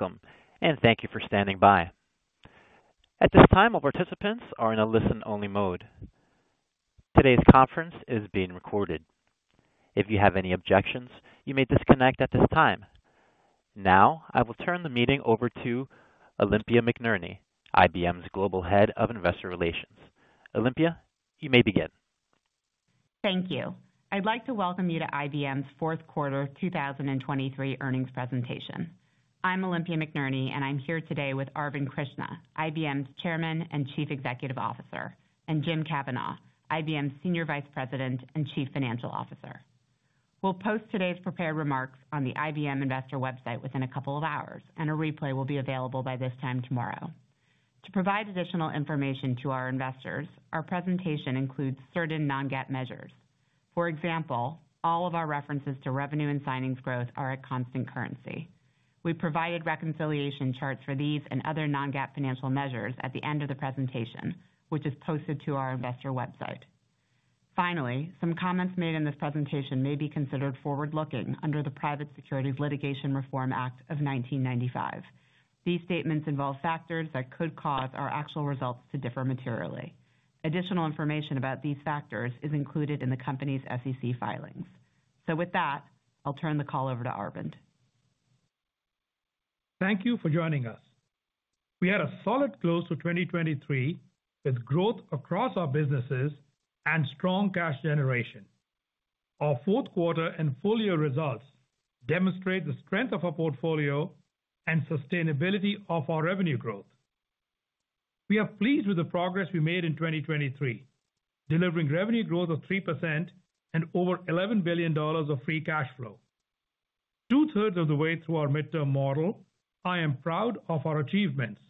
Welcome, and thank you for standing by. At this time, all participants are in a listen-only mode. Today's conference is being recorded. If you have any objections, you may disconnect at this time. Now, I will turn the meeting over to Olympia McNerney, IBM's Global Head of Investor Relations. Olympia, you may begin. Thank you. I'd like to welcome you to IBM's fourth quarter 2023 earnings presentation. I'm Olympia McNerney, and I'm here today with Arvind Krishna, IBM's Chairman and Chief Executive Officer, and Jim Kavanaugh, IBM's Senior Vice President and Chief Financial Officer. We'll post today's prepared remarks on the IBM Investor website within a couple of hours, and a replay will be available by this time tomorrow. To provide additional information to our investors, our presentation includes certain non-GAAP measures. For example, all of our references to revenue and signings growth are at constant currency. We provided reconciliation charts for these and other non-GAAP financial measures at the end of the presentation, which is posted to our investor website. Finally, some comments made in this presentation may be considered forward-looking under the Private Securities Litigation Reform Act of 1995. These statements involve factors that could cause our actual results to differ materially. Additional information about these factors is included in the company's SEC filings. With that, I'll turn the call over to Arvind. Thank you for joining us. We had a solid close to 2023, with growth across our businesses and strong cash generation. Our fourth quarter and full year results demonstrate the strength of our portfolio and sustainability of our revenue growth. We are pleased with the progress we made in 2023, delivering revenue growth of 3% and over $11 billion of free cash flow. Two-thirds of the way through our midterm model, I am proud of our achievements.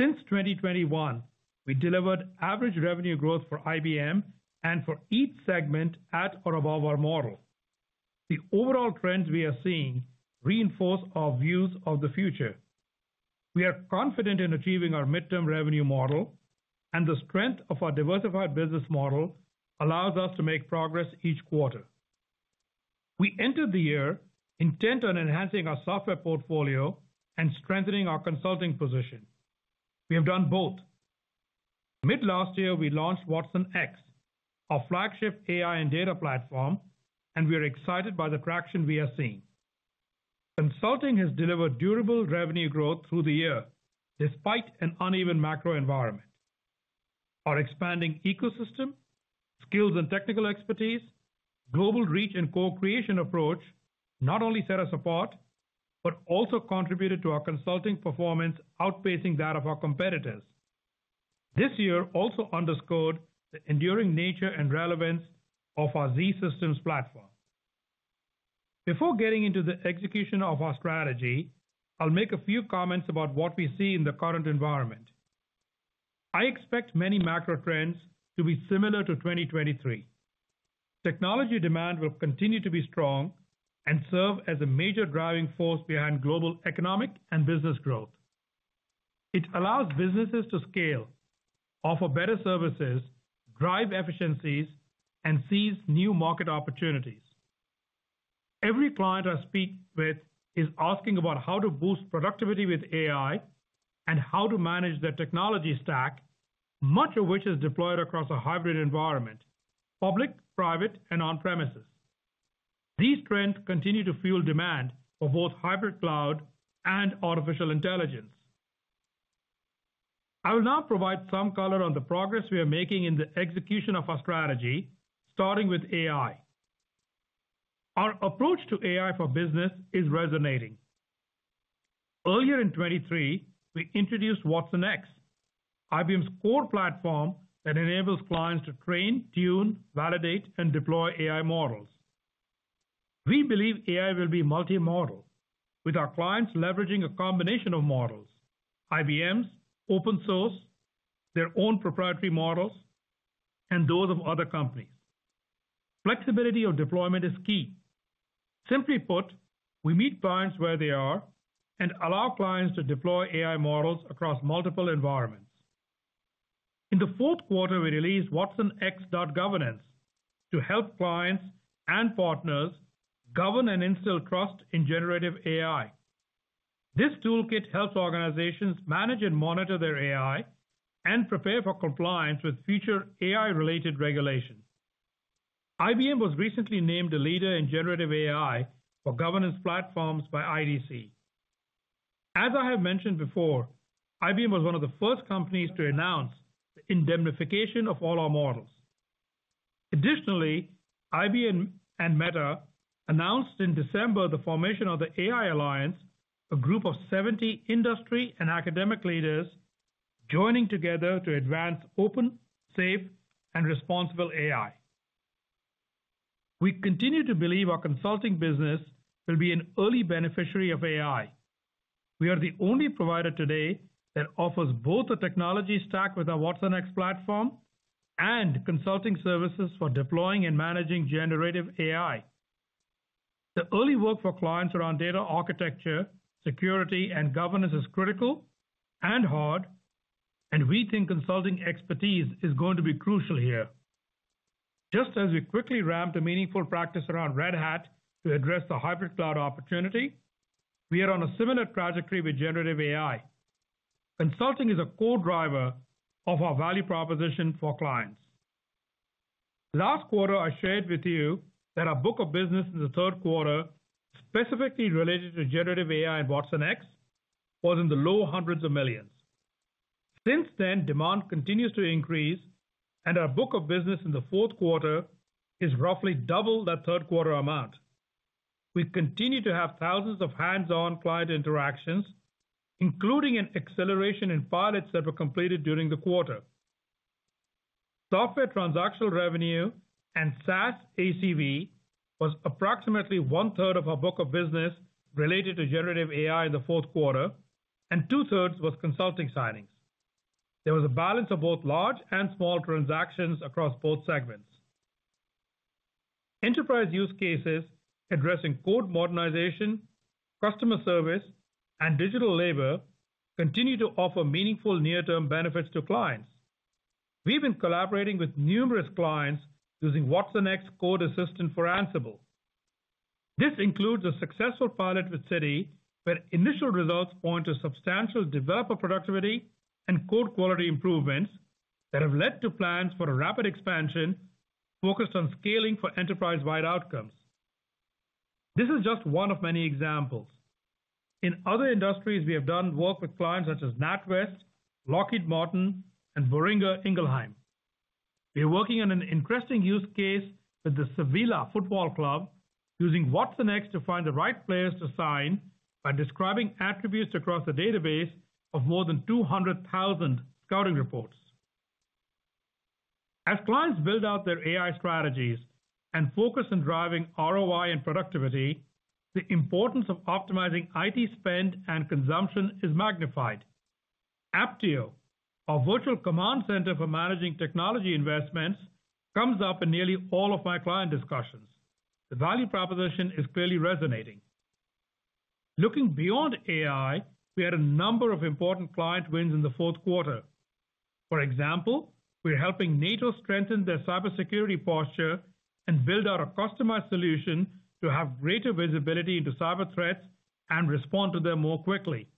Since 2021, we delivered average revenue growth for IBM and for each segment at or above our model. The overall trends we are seeing reinforce our views of the future. We are confident in achieving our midterm revenue model, and the strength of our diversified business model allows us to make progress each quarter. We entered the year intent on enhancing our software portfolio and strengthening our consulting position. We have done both. Mid last year, we launched watsonx, our flagship AI and data platform, and we are excited by the traction we are seeing. Consulting has delivered durable revenue growth through the year, despite an uneven macro environment. Our expanding ecosystem, skills and technical expertise, global reach and co-creation approach not only set us apart, but also contributed to our consulting performance outpacing that of our competitors. This year also underscored the enduring nature and relevance of our zSystems platform. Before getting into the execution of our strategy, I'll make a few comments about what we see in the current environment. I expect many macro trends to be similar to 2023. Technology demand will continue to be strong and serve as a major driving force behind global economic and business growth. It allows businesses to scale, offer better services, drive efficiencies, and seize new market opportunities. Every client I speak with is asking about how to boost productivity with AI and how to manage their technology stack, much of which is deployed across a hybrid environment: public, private, and on-premises. These trends continue to fuel demand for both hybrid cloud and artificial intelligence. I will now provide some color on the progress we are making in the execution of our strategy, starting with AI. Our approach to AI for business is resonating. Earlier in 2023, we introduced watsonx, IBM's core platform that enables clients to train, tune, validate, and deploy AI models. We believe AI will be multi-model, with our clients leveraging a combination of models, IBM's, open source, their own proprietary models, and those of other companies. Flexibility of deployment is key. Simply put, we meet clients where they are and allow clients to deploy AI models across multiple environments. In the fourth quarter, we released watsonx.governance to help clients and partners govern and instill trust in generative AI. This toolkit helps organizations manage and monitor their AI and prepare for compliance with future AI-related regulations. IBM was recently named a leader in generative AI for governance platforms by IDC. As I have mentioned before, IBM was one of the first companies to announce the indemnification of all our models. Additionally, IBM and Meta announced in December the formation of the AI Alliance, a group of 70 industry and academic leaders joining together to advance open, safe, and responsible AI. We continue to believe our consulting business will be an early beneficiary of AI. We are the only provider today that offers both a technology stack with our watsonx platform and consulting services for deploying and managing generative AI. The early work for clients around data architecture, security, and governance is critical and hard, and we think consulting expertise is going to be crucial here. Just as we quickly ramped a meaningful practice around Red Hat to address the hybrid cloud opportunity, we are on a similar trajectory with generative AI. Consulting is a core driver of our value proposition for clients. Last quarter, I shared with you that our book of business in the third quarter, specifically related to generative AI and watsonx, was in the low hundreds of millions. Since then, demand continues to increase, and our book of business in the fourth quarter is roughly double that third quarter amount. We've continued to have thousands of hands-on client interactions, including an acceleration in pilots that were completed during the quarter. Software transactional revenue and SaaS ACV was approximately one-third of our book of business related to generative AI in the fourth quarter, and two-thirds was consulting signings. There was a balance of both large and small transactions across both segments. Enterprise use cases addressing code modernization, customer service, and digital labor continue to offer meaningful near-term benefits to clients. We've been collaborating with numerous clients using watsonx Code Assistant for Ansible. This includes a successful pilot with Citi, where initial results point to substantial developer productivity and code quality improvements that have led to plans for a rapid expansion focused on scaling for enterprise-wide outcomes. This is just one of many examples. In other industries, we have done work with clients such as NatWest, Lockheed Martin, and Boehringer Ingelheim. We are working on an interesting use case with the Sevilla Football Club, using watsonx to find the right players to sign by describing attributes across a database of more than 200,000 scouting reports. As clients build out their AI strategies and focus on driving ROI and productivity, the importance of optimizing IT spend and consumption is magnified. Apptio, our virtual command center for managing technology investments, comes up in nearly all of my client discussions. The value proposition is clearly resonating. Looking beyond AI, we had a number of important client wins in the fourth quarter. For example, we are helping NATO strengthen their cybersecurity posture and build out a customized solution to have greater visibility into cyber threats and respond to them more quickly.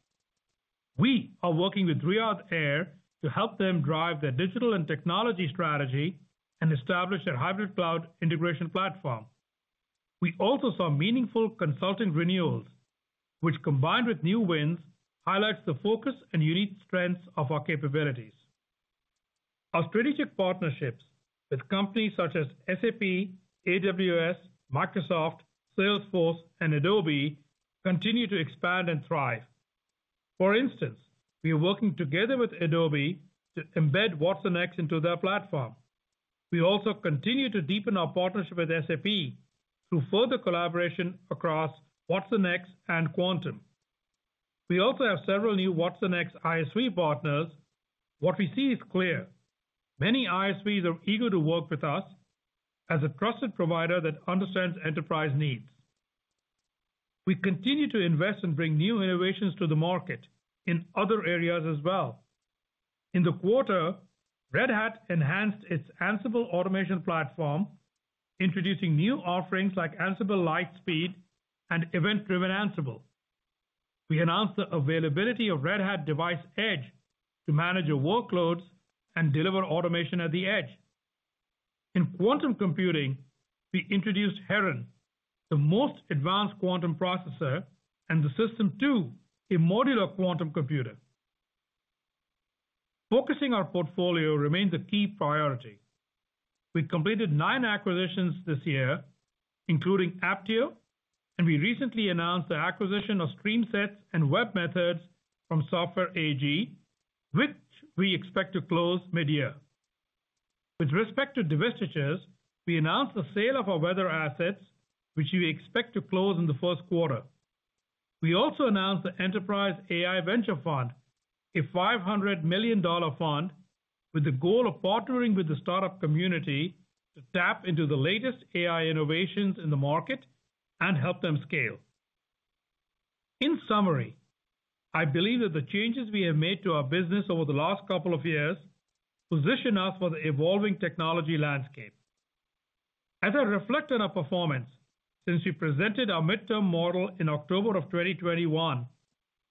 We are working with Riyadh Air to help them drive their digital and technology strategy and establish their hybrid cloud integration platform. We also saw meaningful consulting renewals, which, combined with new wins, highlights the focus and unique strengths of our capabilities. Our strategic partnerships with companies such as SAP, AWS, Microsoft, Salesforce, and Adobe continue to expand and thrive. For instance, we are working together with Adobe to embed watsonx into their platform. We also continue to deepen our partnership with SAP through further collaboration across watsonx and Quantum. We also have several new watsonx ISV partners. What we see is clear: many ISVs are eager to work with us as a trusted provider that understands enterprise needs. We continue to invest and bring new innovations to the market in other areas as well. In the quarter, Red Hat enhanced its Ansible automation platform, introducing new offerings like Ansible Lightspeed and Event-Driven Ansible. We announced the availability of Red Hat Device Edge to manage your workloads and deliver automation at the edge. In quantum computing, we introduced Heron, the most advanced quantum processor, and the System Two, a modular quantum computer. Focusing our portfolio remains a key priority. We completed nine acquisitions this year, including Apptio, and we recently announced the acquisition of StreamSets and webMethods from Software AG, which we expect to close mid-year. With respect to divestitures, we announced the sale of our Weather assets, which we expect to close in the first quarter. We also announced the Enterprise AI Venture Fund, a $500 million fund with the goal of partnering with the startup community to tap into the latest AI innovations in the market and help them scale. In summary, I believe that the changes we have made to our business over the last couple of years position us for the evolving technology landscape. As I reflect on our performance, since we presented our midterm model in October of 2021,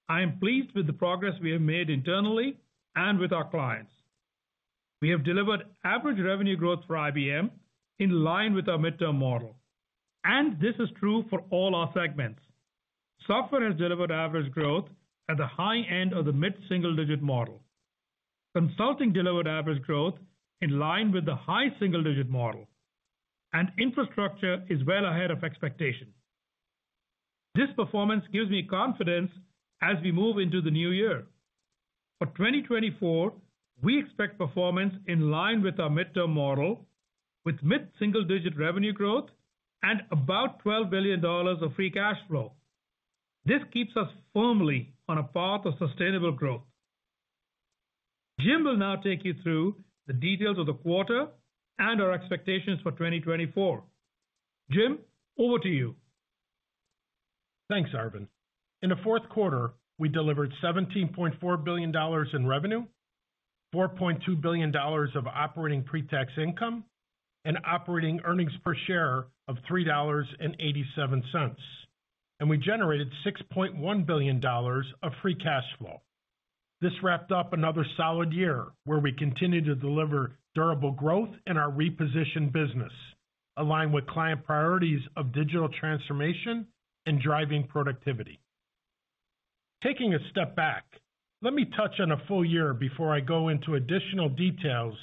I am pleased with the progress we have made internally and with our clients. We have delivered average revenue growth for IBM in line with our midterm model, and this is true for all our segments. Software has delivered average growth at the high end of the mid-single-digit model. Consulting delivered average growth in line with the high single-digit model, and Infrastructure is well ahead of expectations. This performance gives me confidence as we move into the new year. For 2024, we expect performance in line with our midterm model, with mid-single-digit revenue growth and about $12 billion of free cash flow. This keeps us firmly on a path of sustainable growth. Jim will now take you through the details of the quarter and our expectations for 2024. Jim, over to you.... Thanks, Arvind. In the fourth quarter, we delivered $17.4 billion in revenue, $4.2 billion of operating pre-tax income, and operating earnings per share of $3.87, and we generated $6.1 billion of free cash flow. This wrapped up another solid year where we continued to deliver durable growth in our repositioned business, aligned with client priorities of digital transformation and driving productivity. Taking a step back, let me touch ona full year before I go into additional details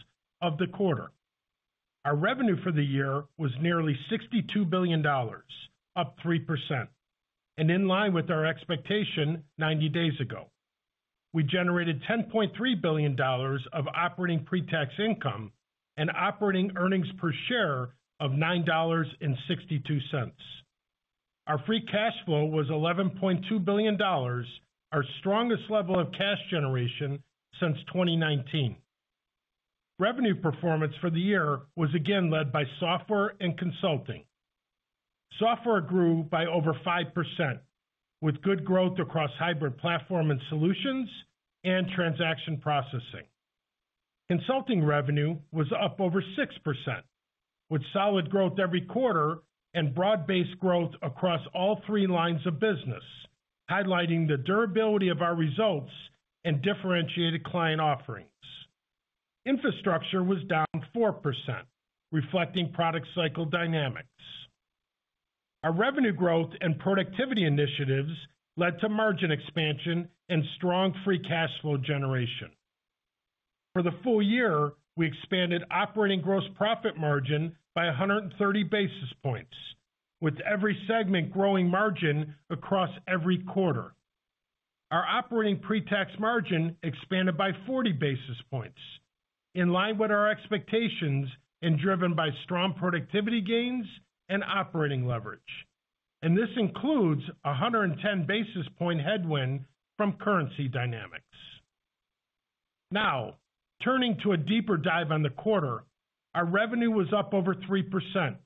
of the quarter. Our revenue for the year was nearly $62 billion, up 3%, and in line with our expectation 90 days ago. We generated $10.3 billion of operating pre-tax income and operating earnings per share of $9.62. Our free cash flow was $11.2 billion, our strongest level of cash generation since 2019. Revenue performance for the year was again led by Software and Consulting. Software grew by over 5%, with good growth across Hybrid Platform & Solutions and Transaction Processing. Consulting revenue was up over 6%, with solid growth every quarter and broad-based growth across all three lines of business, highlighting the durability of our results and differentiated client offerings. Infrastructure was down 4%, reflecting product cycle dynamics. Our revenue growth and productivity initiatives led to margin expansion and strong free cash flow generation. For the full year, we expanded operating gross profit margin by 130 basis points, with every segment growing margin across every quarter. Our operating pre-tax margin expanded by 40 basis points, in line with our expectations and driven by strong productivity gains and operating leverage. This includes a 110 basis point headwind from currency dynamics. Now, turning to a deeper dive on the quarter, our revenue was up over 3%.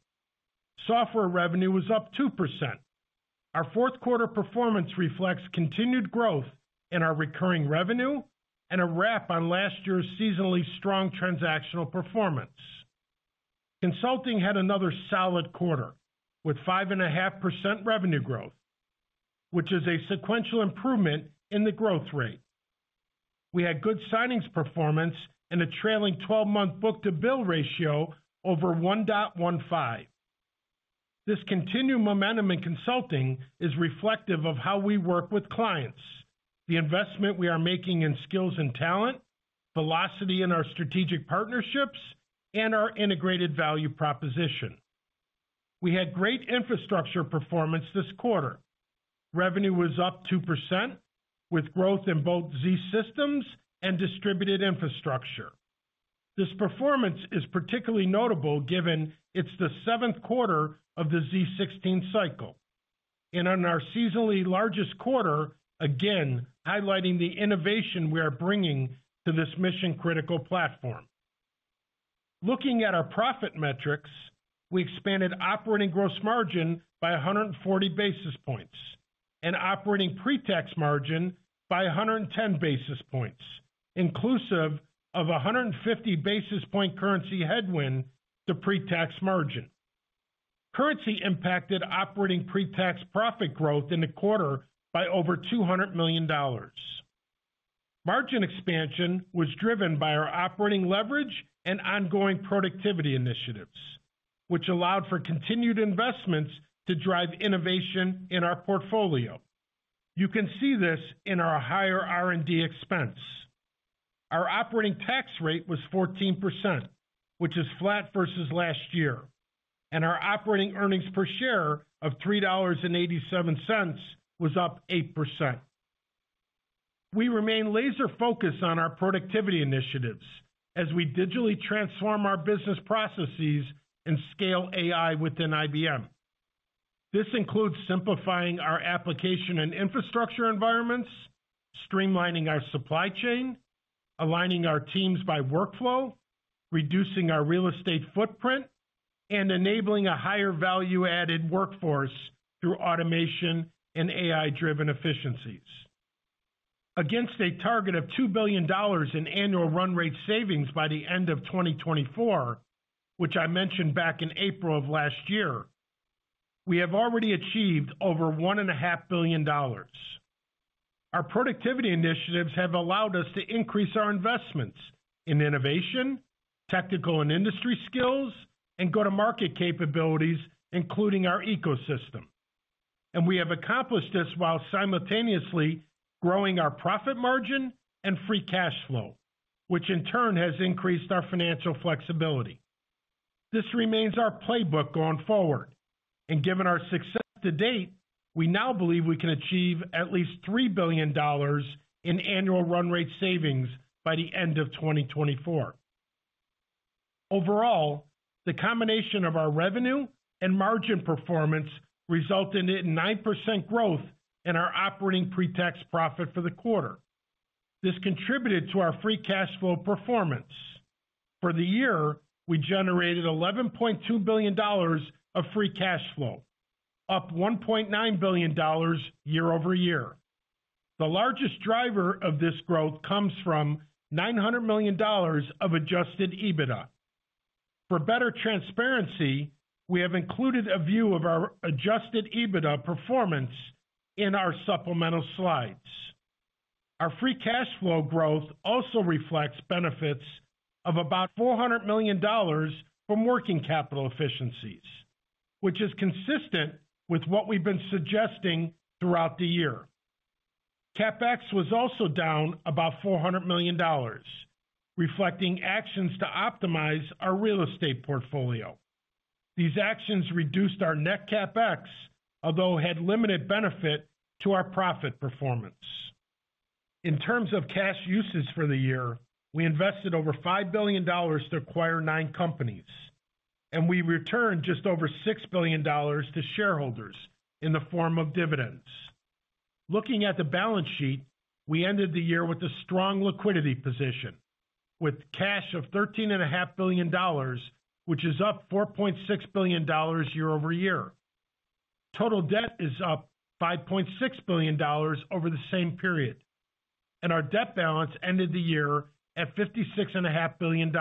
Software revenue was up 2%. Our fourth quarter performance reflects continued growth in our recurring revenue and a wrap on last year's seasonally strong transactional performance. Consulting had another solid quarter, with 5.5% revenue growth, which is a sequential improvement in the growth rate. We had good signings performance and a trailing twelve-month book-to-bill ratio over 1.15. This continued momentum in consulting is reflective of how we work with clients, the investment we are making in skills and talent, velocity in our strategic partnerships, and our integrated value proposition. We had great infrastructure performance this quarter. Revenue was up 2%, with growth in both zSystems and Distributed Infrastructure. This performance is particularly notable, given it's the seventh quarter of the z16 cycle, and on our seasonally largest quarter, again, highlighting the innovation we are bringing to this mission-critical platform. Looking at our profit metrics, we expanded operating gross margin by 140 basis points and operating pre-tax margin by 110 basis points, inclusive of 150 basis point currency headwind to pre-tax margin. Currency impacted operating pre-tax profit growth in the quarter by over $200 million. Margin expansion was driven by our operating leverage and ongoing productivity initiatives, which allowed for continued investments to drive innovation in our portfolio. You can see this in our higher R&D expense. Our operating tax rate was 14%, which is flat versus last year, and our operating earnings per share of $3.87 was up 8%. We remain laser focused on our productivity initiatives as we digitally transform our business processes and scale AI within IBM. This includes simplifying our application and infrastructure environments, streamlining our supply chain, aligning our teams by workflow, reducing our real estate footprint, and enabling a higher value-added workforce through automation and AI-driven efficiencies. Against a target of $2 billion in annual run rate savings by the end of 2024, which I mentioned back in April of last year, we have already achieved over $1.5 billion. Our productivity initiatives have allowed us to increase our investments in innovation, technical and industry skills, and go-to-market capabilities, including our ecosystem. We have accomplished this while simultaneously growing our profit margin and free cash flow, which in turn has increased our financial flexibility. This remains our playbook going forward, and given our success to date, we now believe we can achieve at least $3 billion in annual run rate savings by the end of 2024. Overall, the combination of our revenue and margin performance resulted in 9% growth in our operating pre-tax profit for the quarter. This contributed to our free cash flow performance. For the year, we generated $11.2 billion of free cash flow, up $1.9 billion year-over-year. The largest driver of this growth comes from $900 million of Adjusted EBITDA. For better transparency, we have included a view of our Adjusted EBITDA performance in our supplemental slides. Our free cash flow growth also reflects benefits of about $400 million from working capital efficiencies, which is consistent with what we've been suggesting throughout the year. CapEx was also down about $400 million, reflecting actions to optimize our real estate portfolio. These actions reduced our net CapEx, although had limited benefit to our profit performance. In terms of cash uses for the year, we invested over $5 billion to acquire nine companies, and we returned just over $6 billion to shareholders in the form of dividends. Looking at the balance sheet, we ended the year with a strong liquidity position, with cash of $13.5 billion, which is up $4.6 billion year-over-year. Total debt is up $5.6 billion over the same period, and our debt balance ended the year at $56.5 billion,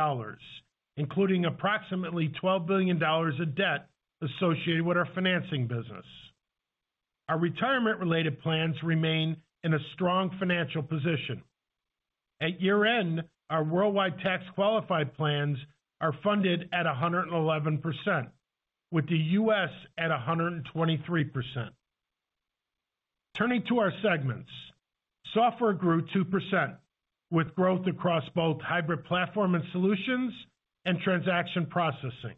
including approximately $12 billion of debt associated with our financing business. Our retirement-related plans remain in a strong financial position. At year-end, our worldwide tax-qualified plans are funded at 111%, with the U.S. at 123%. Turning to our segments, Software grew 2%, with growth across both hybrid platform and solutions and transaction processing.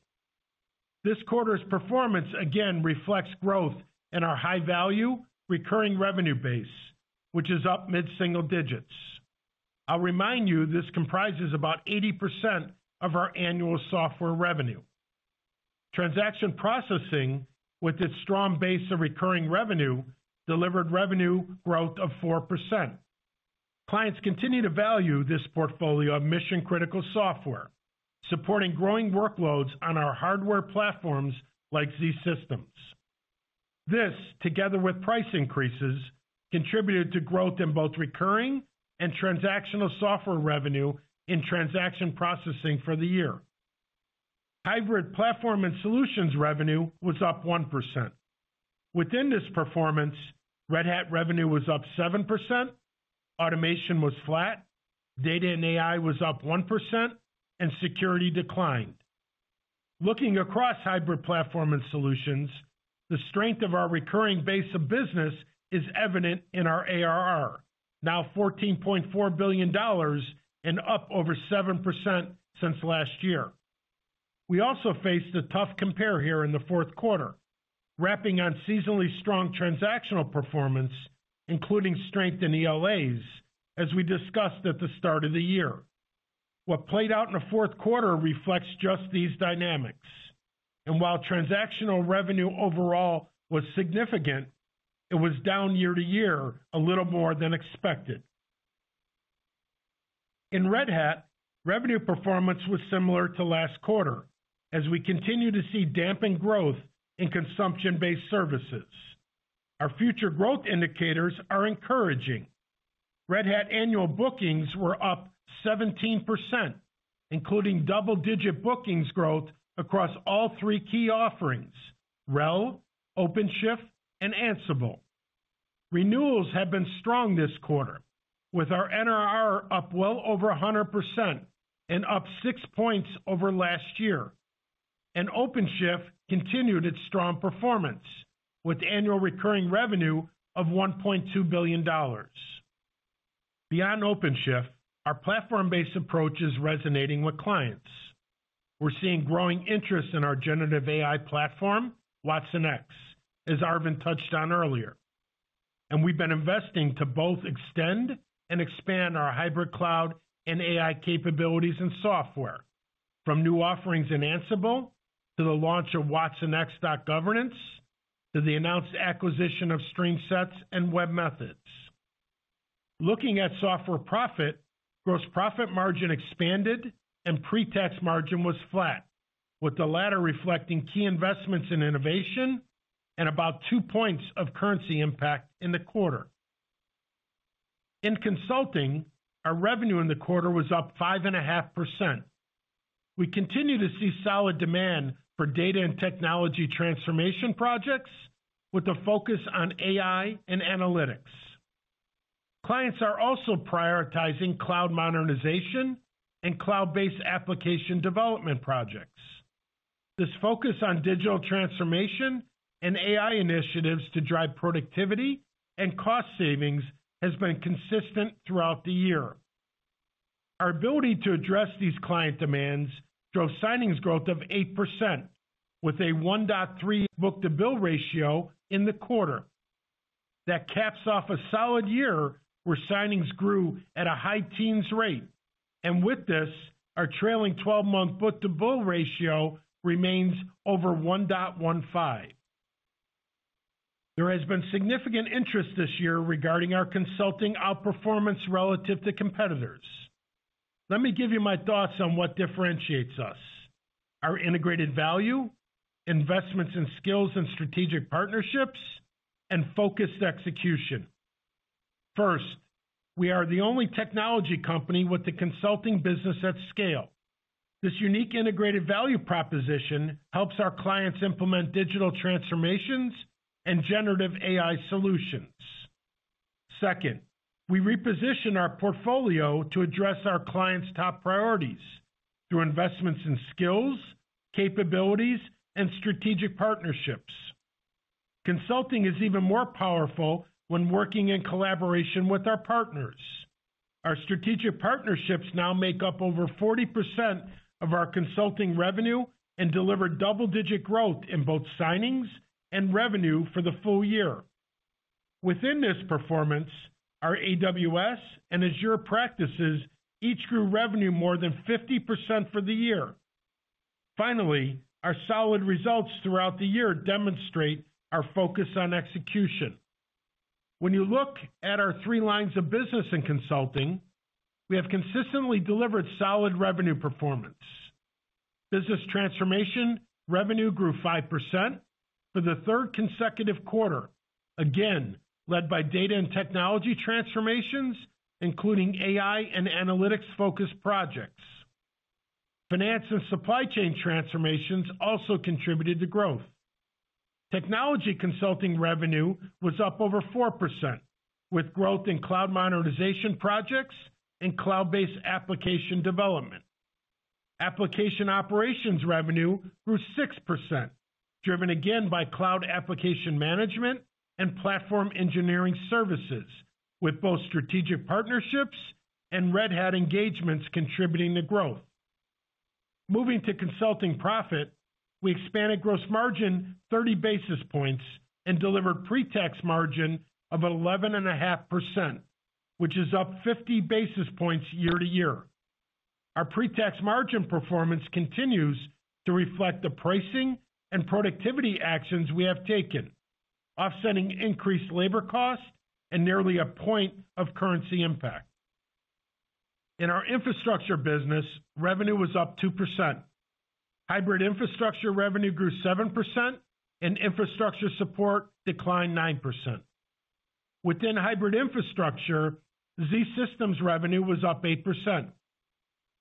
This quarter's performance again reflects growth in our high-value, recurring revenue base, which is up mid-single digits. I'll remind you, this comprises about 80% of our annual software revenue. Transaction processing, with its strong base of recurring revenue, delivered revenue growth of 4%. Clients continue to value this portfolio of mission-critical software, supporting growing workloads on our hardware platforms like zSystems. This, together with price increases, contributed to growth in both recurring and transactional software revenue in transaction processing for the year. Hybrid platform and solutions revenue was up 1%. Within this performance, Red Hat revenue was up 7%, automation was flat, data and AI was up 1%, and security declined. Looking across hybrid platform and solutions, the strength of our recurring base of business is evident in our ARR, now $14.4 billion and up over 7% since last year. We also faced a tough compare here in the fourth quarter, wrapping on seasonally strong transactional performance, including strength in ELAs, as we discussed at the start of the year. What played out in the fourth quarter reflects just these dynamics, and while transactional revenue overall was significant, it was down year to year, a little more than expected. In Red Hat, revenue performance was similar to last quarter, as we continue to see dampened growth in consumption-based services. Our future growth indicators are encouraging. Red Hat annual bookings were up 17%, including double-digit bookings growth across all three key offerings, RHEL, OpenShift, and Ansible. Renewals have been strong this quarter, with our NRR up well over 100% and up 6 points over last year. OpenShift continued its strong performance with annual recurring revenue of $1.2 billion. Beyond OpenShift, our platform-based approach is resonating with clients. We're seeing growing interest in our generative AI platform, watsonx, as Arvind touched on earlier. We've been investing to both extend and expand our hybrid cloud and AI capabilities and software, from new offerings in Ansible to the launch of watsonx.governance, to the announced acquisition of StreamSets and webMethods. Looking at software profit, gross profit margin expanded and pre-tax margin was flat, with the latter reflecting key investments in innovation and about two points of currency impact in the quarter. In Consulting, our revenue in the quarter was up 5.5%. We continue to see solid demand for data and technology transformation projects with a focus on AI and analytics. Clients are also prioritizing cloud modernization and cloud-based application development projects. This focus on digital transformation and AI initiatives to drive productivity and cost savings has been consistent throughout the year. Our ability to address these client demands drove signings growth of 8%, with a 1.3 book-to-bill ratio in the quarter. That caps off a solid year, where signings grew at a high-teens rate, and with this, our trailing twelve-month book-to-bill ratio remains over 1.15.... There has been significant interest this year regarding our consulting outperformance relative to competitors. Let me give you my thoughts on what differentiates us: our integrated value, investments in skills and strategic partnerships, and focused execution. First, we are the only technology company with a consulting business at scale. This unique integrated value proposition helps our clients implement digital transformations and generative AI solutions. Second, we reposition our portfolio to address our clients' top priorities through investments in skills, capabilities, and strategic partnerships. Consulting is even more powerful when working in collaboration with our partners. Our strategic partnerships now make up over 40% of our consulting revenue and deliver double-digit growth in both signings and revenue for the full year. Within this performance, our AWS and Azure practices each grew revenue more than 50% for the year. Finally, our solid results throughout the year demonstrate our focus on execution. When you look at our three lines of business in consulting, we have consistently delivered solid revenue performance. Business Transformation revenue grew 5% for the third consecutive quarter, again, led by data and technology transformations, including AI and analytics-focused projects. Finance and supply chain transformations also contributed to growth. Technology Consulting revenue was up over 4%, with growth in cloud monetization projects and cloud-based application development. Application Operations revenue grew 6%, driven again by cloud application management and platform engineering services, with both strategic partnerships and Red Hat engagements contributing to growth. Moving to consulting profit, we expanded gross margin 30 basis points and delivered pre-tax margin of 11.5%, which is up 50 basis points year-over-year. Our pre-tax margin performance continues to reflect the pricing and productivity actions we have taken, offsetting increased labor costs and nearly a point of currency impact. In our infrastructure business, revenue was up 2%. Hybrid Infrastructure revenue grew 7%, and Infrastructure Support declined 9%. Within hybrid infrastructure, zSystems revenue was up 8%.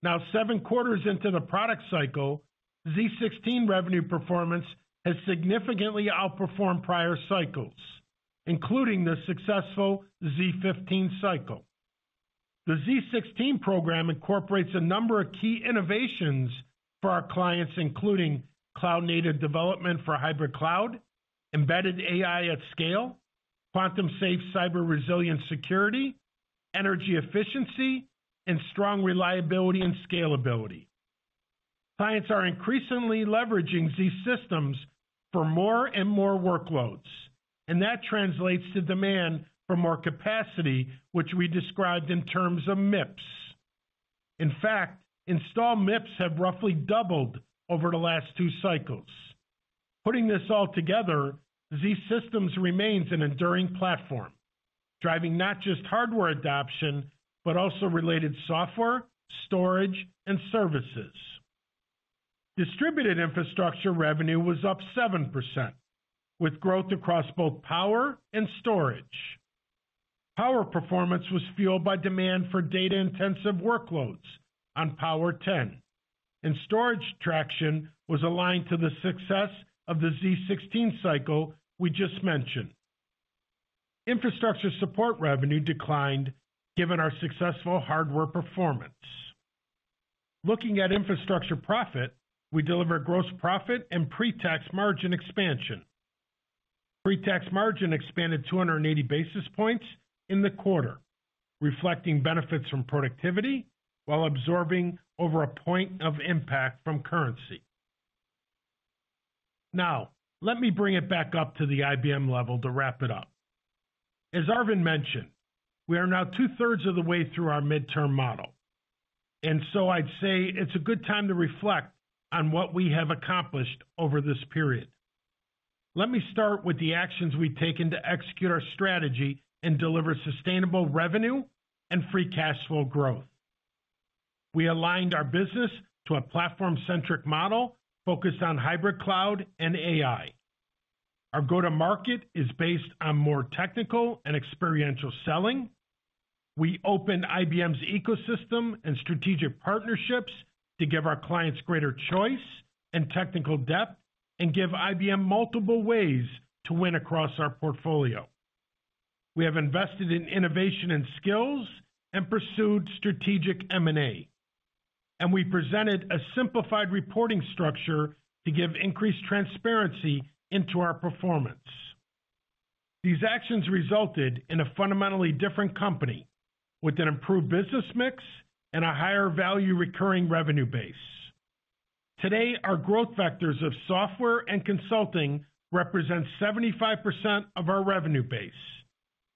Now, 7 quarters into the product cycle, z16 revenue performance has significantly outperformed prior cycles, including the successful z15 cycle. The z16 program incorporates a number of key innovations for our clients, including cloud-native development for hybrid cloud, embedded AI at scale, quantum-safe cyber resilient security, energy efficiency, and strong reliability and scalability. Clients are increasingly leveraging these systems for more and more workloads, and that translates to demand for more capacity, which we described in terms of MIPS. In fact, installed MIPS have roughly doubled over the last two cycles. Putting this all together, zSystems remains an enduring platform, driving not just hardware adoption, but also related software, storage, and services. Distributed infrastructure revenue was up 7%, with growth across both Power and storage. Power performance was fueled by demand for data-intensive workloads on Power10, and storage traction was aligned to the success of the z16 cycle we just mentioned. Infrastructure support revenue declined given our successful hardware performance. Looking at infrastructure profit, we delivered gross profit and pre-tax margin expansion. Pre-tax margin expanded 280 basis points in the quarter, reflecting benefits from productivity while absorbing over a point of impact from currency. Now, let me bring it back up to the IBM level to wrap it up. As Arvind mentioned, we are now two-thirds of the way through our midterm model, and so I'd say it's a good time to reflect on what we have accomplished over this period. Let me start with the actions we've taken to execute our strategy and deliver sustainable revenue and free cash flow growth. We aligned our business to a platform-centric model focused on hybrid cloud and AI. Our go-to-market is based on more technical and experiential selling. We opened IBM's ecosystem and strategic partnerships to give our clients greater choice and technical depth and give IBM multiple ways to win across our portfolio. We have invested in innovation and skills and pursued strategic M&A, and we presented a simplified reporting structure to give increased transparency into our performance. These actions resulted in a fundamentally different company with an improved business mix and a higher value recurring revenue base. Today, our growth vectors of software and consulting represent 75% of our revenue base,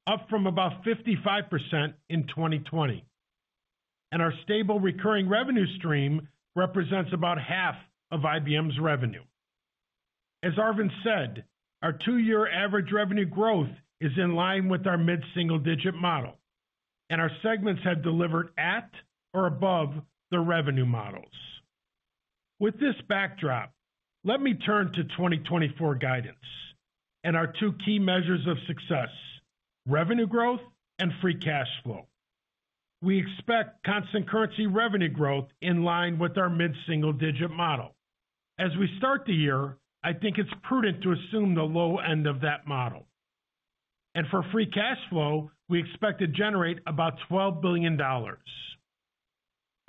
up from about 55% in 2020.... and our stable recurring revenue stream represents about half of IBM's revenue. As Arvind said, our two-year average revenue growth is in line with our mid-single digit model, and our segments have delivered at or above the revenue models. With this backdrop, let me turn to 2024 guidance and our two key measures of success: revenue growth and free cash flow. We expect constant currency revenue growth in line with our mid-single digit model. As we start the year, I think it's prudent to assume the low end of that model. For free cash flow, we expect to generate about $12 billion.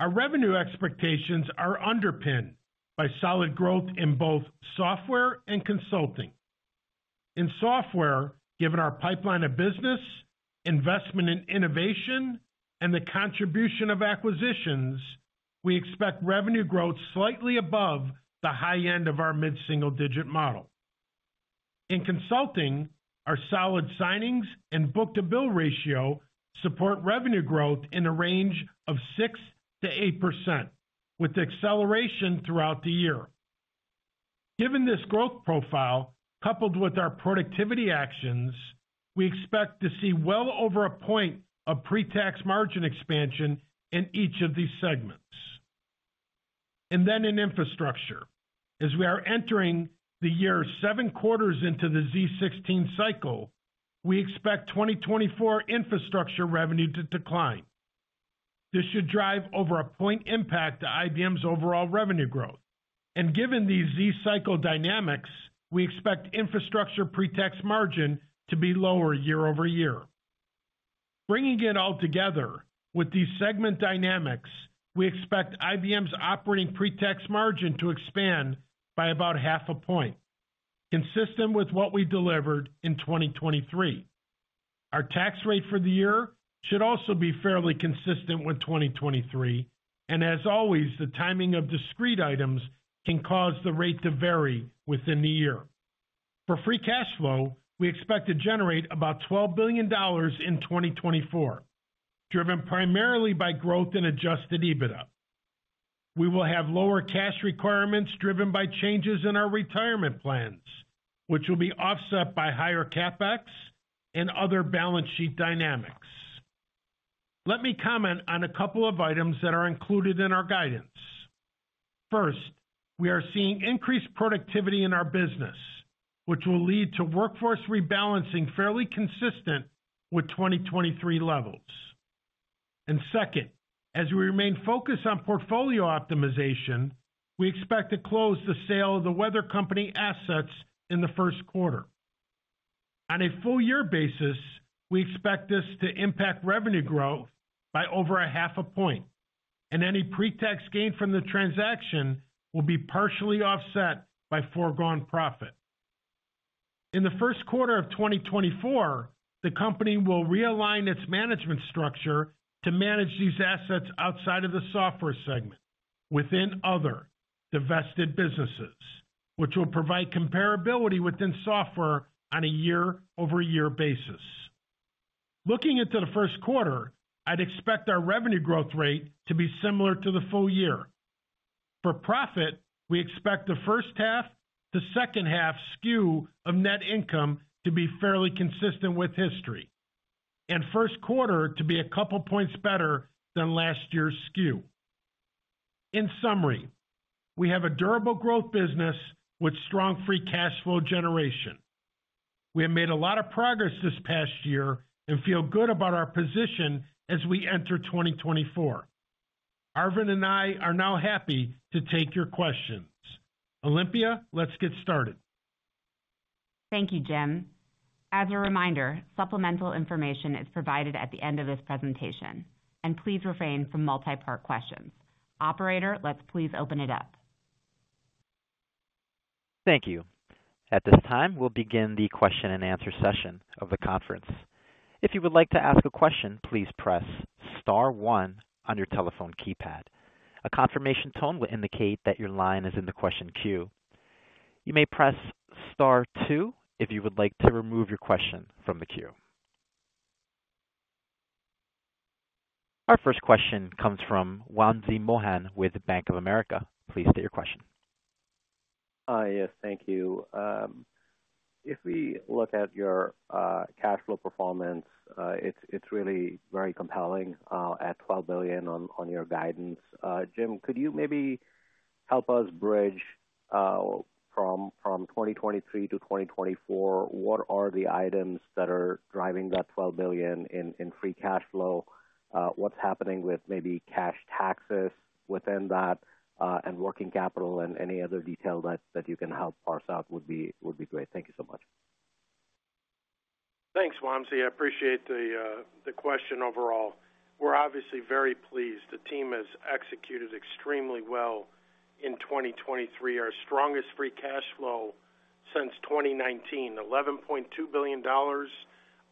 Our revenue expectations are underpinned by solid growth in both software and consulting. In software, given our pipeline of business, investment in innovation, and the contribution of acquisitions, we expect revenue growth slightly above the high end of our mid-single digit model. In consulting, our solid signings and book-to-bill ratio support revenue growth in a range of 6%-8%, with acceleration throughout the year. Given this growth profile, coupled with our productivity actions, we expect to see well over 1 point of pre-tax margin expansion in each of these segments. Then in infrastructure, as we are entering the year 7 quarters into the z16 cycle, we expect 2024 infrastructure revenue to decline. This should drive over 1 point impact to IBM's overall revenue growth. Given these z16 cycle dynamics, we expect infrastructure pre-tax margin to be lower year-over-year. Bringing it all together, with these segment dynamics, we expect IBM's operating pre-tax margin to expand by about 0.5 point, consistent with what we delivered in 2023. Our tax rate for the year should also be fairly consistent with 2023, and as always, the timing of discrete items can cause the rate to vary within the year. For free cash flow, we expect to generate about $12 billion in 2024, driven primarily by growth in Adjusted EBITDA. We will have lower cash requirements driven by changes in our retirement plans, which will be offset by higher CapEx and other balance sheet dynamics. Let me comment on a couple of items that are included in our guidance. First, we are seeing increased productivity in our business, which will lead to workforce rebalancing, fairly consistent with 2023 levels. Second, as we remain focused on portfolio optimization, we expect to close the sale of the Weather Company assets in the first quarter. On a full year basis, we expect this to impact revenue growth by over half a point, and any pre-tax gain from the transaction will be partially offset by foregone profit. In the first quarter of 2024, the company will realign its management structure to manage these assets outside of the software segment within other divested businesses, which will provide comparability within software on a year-over-year basis. Looking into the first quarter, I'd expect our revenue growth rate to be similar to the full year. For profit, we expect the first half to second half skew of net income to be fairly consistent with history, and first quarter to be a couple points better than last year's skew. In summary, we have a durable growth business with strong free cash flow generation. We have made a lot of progress this past year and feel good about our position as we enter 2024. Arvind and I are now happy to take your questions. Olympia, let's get started. Thank you, Jim. As a reminder, supplemental information is provided at the end of this presentation, and please refrain from multi-part questions. Operator, let's please open it up. Thank you. At this time, we'll begin the question-and-answer session of the conference. If you would like to ask a question, please press star one on your telephone keypad. A confirmation tone will indicate that your line is in the question queue. You may press star two if you would like to remove your question from the queue. Our first question comes from Wamsi Mohan with Bank of America. Please state your question. Hi, yes, thank you. If we look at your cash flow performance, it's really very compelling at $12 billion on your guidance. Jim, could you maybe help us bridge from 2023 to 2024, what are the items that are driving that $12 billion in free cash flow? What's happening with maybe cash taxes within that, and working capital and any other detail that you can help parse out would be great. Thank you so much. Thanks, Wamsi. I appreciate the, the question overall. We're obviously very pleased. The team has executed extremely well in 2023, our strongest free cash flow since 2019, $11.2 billion,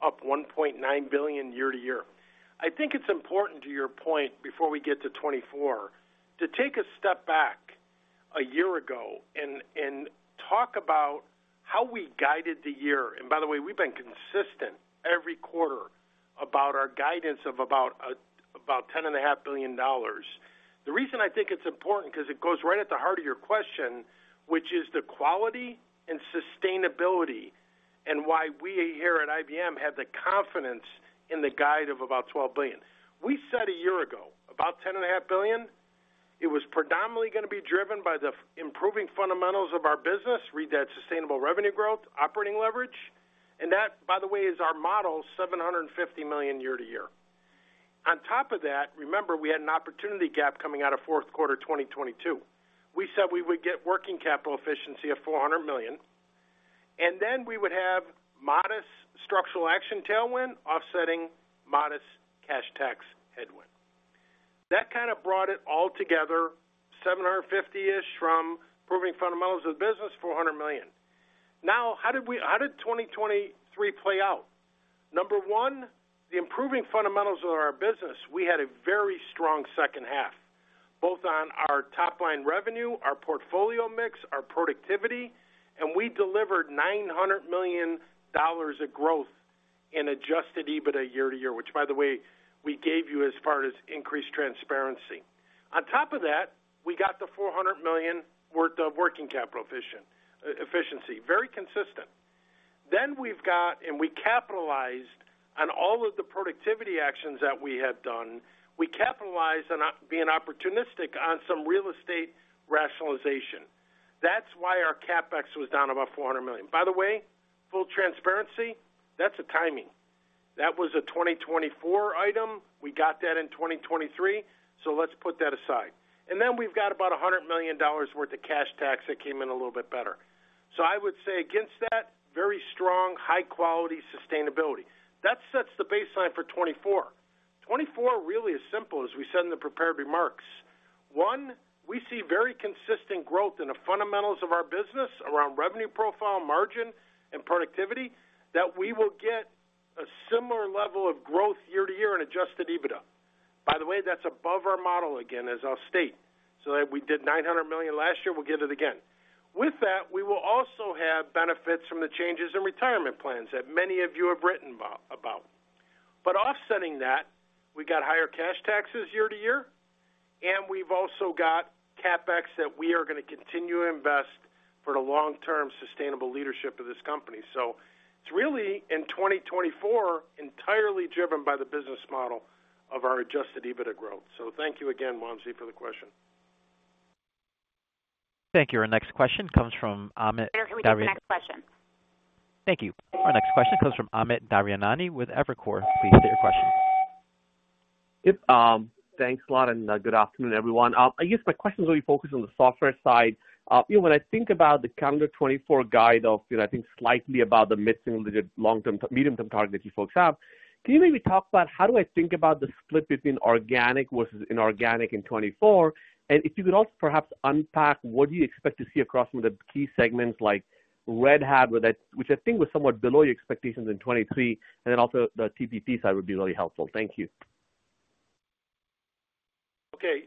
up $1.9 billion year to year. I think it's important to your point, before we get to 2024, to take a step back.... a year ago and, and talk about how we guided the year, and by the way, we've been consistent every quarter about our guidance of about $10.5 billion. The reason I think it's important, because it goes right at the heart of your question, which is the quality and sustainability, and why we here at IBM have the confidence in the guide of about $12 billion. We said a year ago, about $10.5 billion, it was predominantly going to be driven by the improving fundamentals of our business, read that sustainable revenue growth, operating leverage, and that, by the way, is our model, $750 million year-over-year. On top of that, remember, we had an opportunity gap coming out of fourth quarter 2022. We said we would get working capital efficiency of $400 million, and then we would have modest structural action tailwind offsetting modest cash tax headwind. That kind of brought it all together, 750-ish from improving fundamentals of the business, $400 million. Now, how did we-how did 2023 play out? Number one, the improving fundamentals of our business, we had a very strong second half, both on our top line revenue, our portfolio mix, our productivity, and we delivered $900 million of growth in Adjusted EBITDA year-over-year, which, by the way, we gave you as far as increased transparency. On top of that, we got the $400 million worth of working capital efficiency, very consistent. Then we've got, and we capitalized on all of the productivity actions that we had done, we capitalized on being opportunistic on some real estate rationalization. That's why our CapEx was down about $400 million. By the way, full transparency, that's a timing. That was a 2024 item. We got that in 2023, so let's put that aside. And then we've got about $100 million worth of cash tax that came in a little bit better. So I would say against that, very strong, high quality sustainability. That sets the baseline for 2024. 2024 really is simple, as we said in the prepared remarks. One, we see very consistent growth in the fundamentals of our business around revenue profile, margin, and productivity, that we will get a similar level of growth year to year in Adjusted EBITDA. By the way, that's above our model, again, as I'll state, so that we did $900 million last year, we'll get it again. With that, we will also have benefits from the changes in retirement plans that many of you have written about. But offsetting that, we got higher cash taxes year to year, and we've also got CapEx that we are going to continue to invest for the long-term sustainable leadership of this company. So it's really, in 2024, entirely driven by the business model of our Adjusted EBITDA growth. So thank you again, Wamsi, for the question. Thank you. Our next question comes from Amit Daryanani with Evercore. Please state your question. Yep, thanks a lot, and good afternoon, everyone. I guess my question is really focused on the software side. You know, when I think about the calendar 2024 guide of, you know, I think slightly above the mid-single digit long-term, medium-term target that you folks have, can you maybe talk about how do I think about the split between organic versus inorganic in 2024? And if you could also perhaps unpack what do you expect to see across some of the key segments like Red Hat, which I, which I think was somewhat below your expectations in 2023, and then also the TPT side would be really helpful. Thank you. Okay,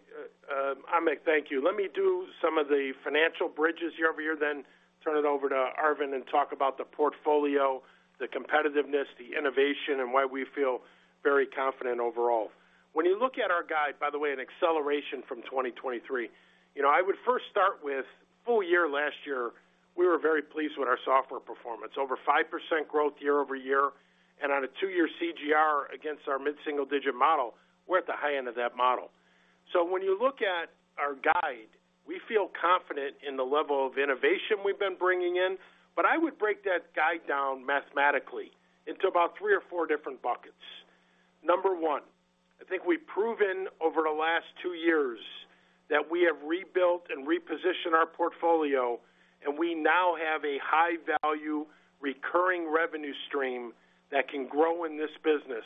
Amit, thank you. Let me do some of the financial bridges year-over-year, then turn it over to Arvind and talk about the portfolio, the competitiveness, the innovation, and why we feel very confident overall. When you look at our guide, by the way, an acceleration from 2023, you know, I would first start with full year last year, we were very pleased with our software performance, over 5% growth year-over-year, and on a two-year CGR against our mid-single-digit model, we're at the high end of that model. So when you look at our guide, we feel confident in the level of innovation we've been bringing in, but I would break that guide down mathematically into about three or four different buckets. Number one, I think we've proven over the last 2 years that we have rebuilt and repositioned our portfolio, and we now have a high-value, recurring revenue stream that can grow in this business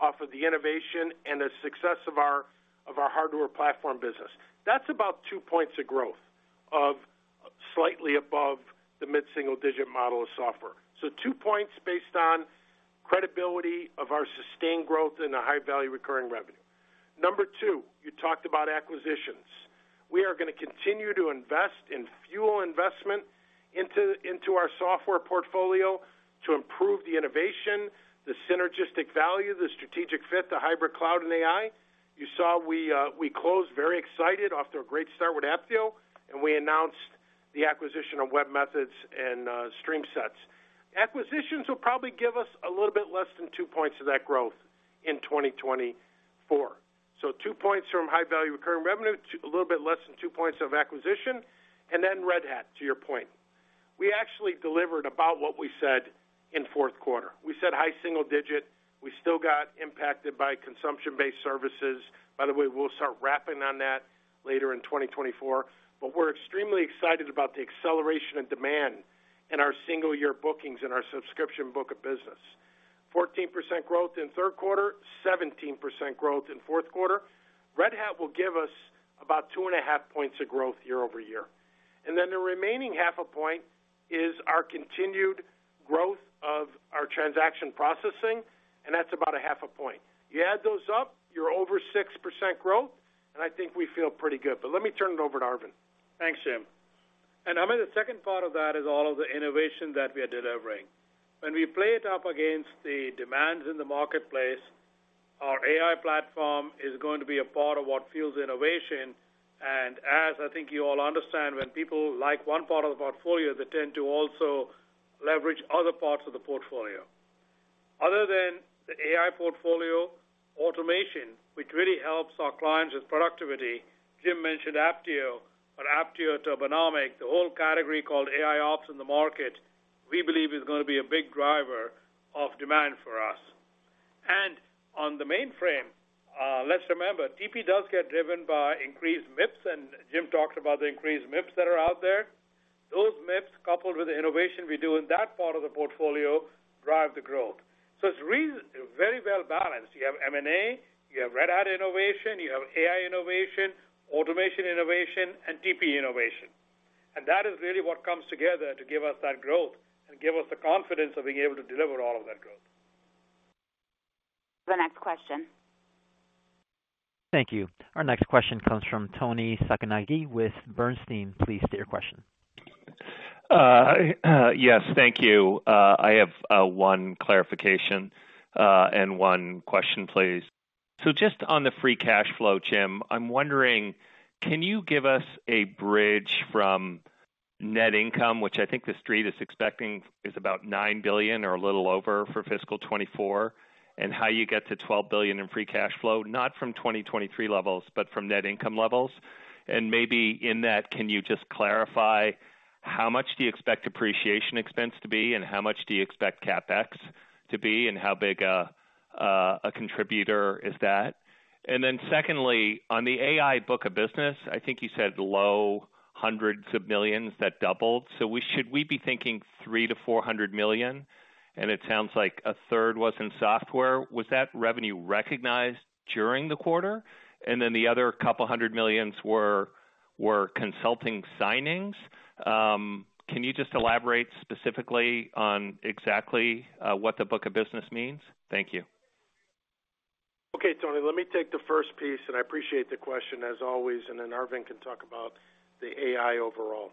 off of the innovation and the success of our hardware platform business. That's about 2 points of growth, slightly above the mid-single digit model of software. So 2 points based on credibility of our sustained growth and the high-value recurring revenue. Number two, you talked about acquisitions. We are going to continue to invest and fuel investment into our software portfolio to improve the innovation, the synergistic value, the strategic fit, the hybrid cloud and AI. You saw we closed very excited off to a great start with Apptio, and we announced the acquisition of webMethods and StreamSets. Acquisitions will probably give us a little bit less than 2 points of that growth in 2024. So 2 points from high-value recurring revenue, a little bit less than 2 points of acquisition, and then Red Hat, to your point. We actually delivered about what we said in fourth quarter. We said high single digit. We still got impacted by consumption-based services. By the way, we'll start wrapping on that later in 2024, but we're extremely excited about the acceleration and demand in our single year bookings and our subscription book of business. 14% growth in third quarter, 17% growth in fourth quarter. Red Hat will give us about 2.5 points of growth year-over-year. And then the remaining 0.5 point is our continued growth of our transaction processing, and that's about a 0.5 point. You add those up, you're over 6% growth, and I think we feel pretty good. But let me turn it over to Arvind. Thanks, Jim. I mean, the second part of that is all of the innovation that we are delivering. When we play it up against the demands in the marketplace, our AI platform is going to be a part of what fuels innovation, and as I think you all understand, when people like one part of the portfolio, they tend to also leverage other parts of the portfolio. Other than the AI portfolio, automation, which really helps our clients with productivity, Jim mentioned Apptio, but Apptio Turbonomic, the whole category called AIOps in the market, we believe is going to be a big driver of demand for us. And on the mainframe, let's remember, TP does get driven by increased MIPS, and Jim talked about the increased MIPS that are out there. Those MIPS, coupled with the innovation we do in that part of the portfolio, drive the growth. So it's very well balanced. You have M&A, you have Red Hat innovation, you have AI innovation, automation innovation, and TP innovation. And that is really what comes together to give us that growth and give us the confidence of being able to deliver all of that growth. The next question. Thank you. Our next question comes from Toni Sacconaghi with Bernstein. Please state your question. Yes, thank you. I have one clarification and one question, please. So just on the free cash flow, Jim, I'm wondering, can you give us a bridge from net income, which I think the Street is expecting is about $9 billion or a little over for fiscal 2024, and how you get to $12 billion in free cash flow, not from 2023 levels, but from net income levels? And maybe in that, can you just clarify how much do you expect depreciation expense to be and how much do you expect CapEx to be, and how big a contributor is that? And then secondly, on the AI book of business, I think you said low hundreds of millions that doubled. So we should be thinking $300 million-$400 million? And it sounds like a third was in software. Was that revenue recognized during the quarter, and then the other $200 million were consulting signings? Can you just elaborate specifically on exactly what the book of business means? Thank you. Okay, Tony, let me take the first piece, and I appreciate the question, as always, and then Arvind can talk about the AI overall.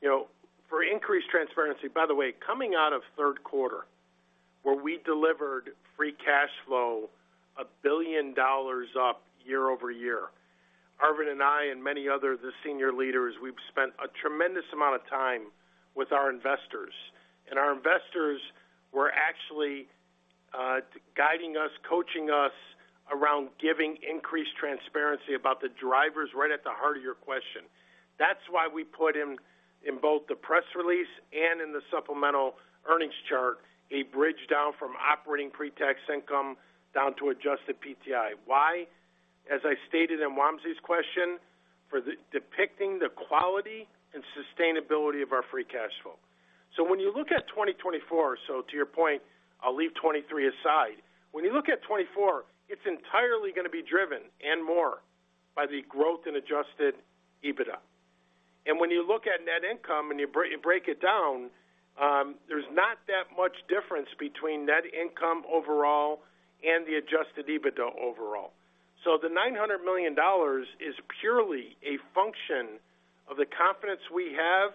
You know, for increased transparency, by the way, coming out of third quarter, where we delivered free cash flow $1 billion up year-over-year, Arvind and I and many other of the senior leaders, we've spent a tremendous amount of time with our investors. And our investors were actually guiding us, coaching us around giving increased transparency about the drivers right at the heart of your question. That's why we put in, in both the press release and in the supplemental earnings chart, a bridge down from operating pre-tax income down to Adjusted PTI. Why? As I stated in Wamsi's question, for the depicting the quality and sustainability of our free cash flow. So when you look at 2024, so to your point, I'll leave 2023 aside. When you look at 2024, it's entirely going to be driven and more by the growth in Adjusted EBITDA. And when you look at net income and you break it down, there's not that much difference between net income overall and the Adjusted EBITDA overall. So the $900 million is purely a function of the confidence we have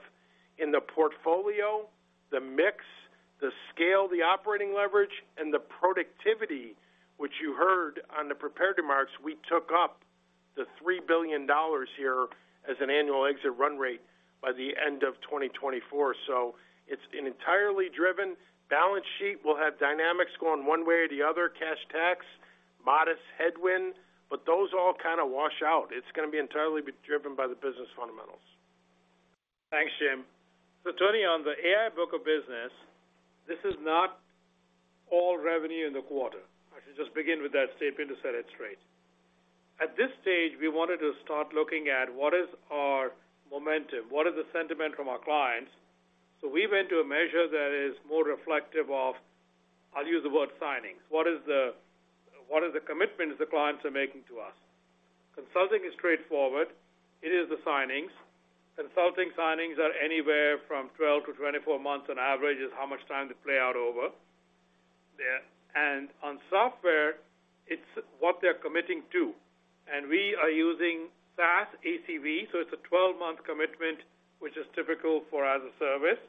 in the portfolio, the mix, the scale, the operating leverage, and the productivity, which you heard on the prepared remarks. We took up the $3 billion here as an annual exit run rate by the end of 2024. So it's an entirely driven balance sheet. We'll have dynamics going one way or the other, cash tax, modest headwind, but those all kind of wash out. It's going to be entirely driven by the business fundamentals. Thanks, Jim. So Tony, on the AI book of business, this is not all revenue in the quarter. I should just begin with that statement to set it straight. At this stage, we wanted to start looking at what is our momentum, what is the sentiment from our clients. So we went to a measure that is more reflective of, I'll use the word signings. What is the, what are the commitments the clients are making to us? Consulting is straightforward. It is the signings. Consulting signings are anywhere from 12 to 24 months on average, is how much time to play out over. Yeah, and on software, it's what they're committing to. And we are using SaaS ACV, so it's a 12-month commitment, which is typical for as-a-service,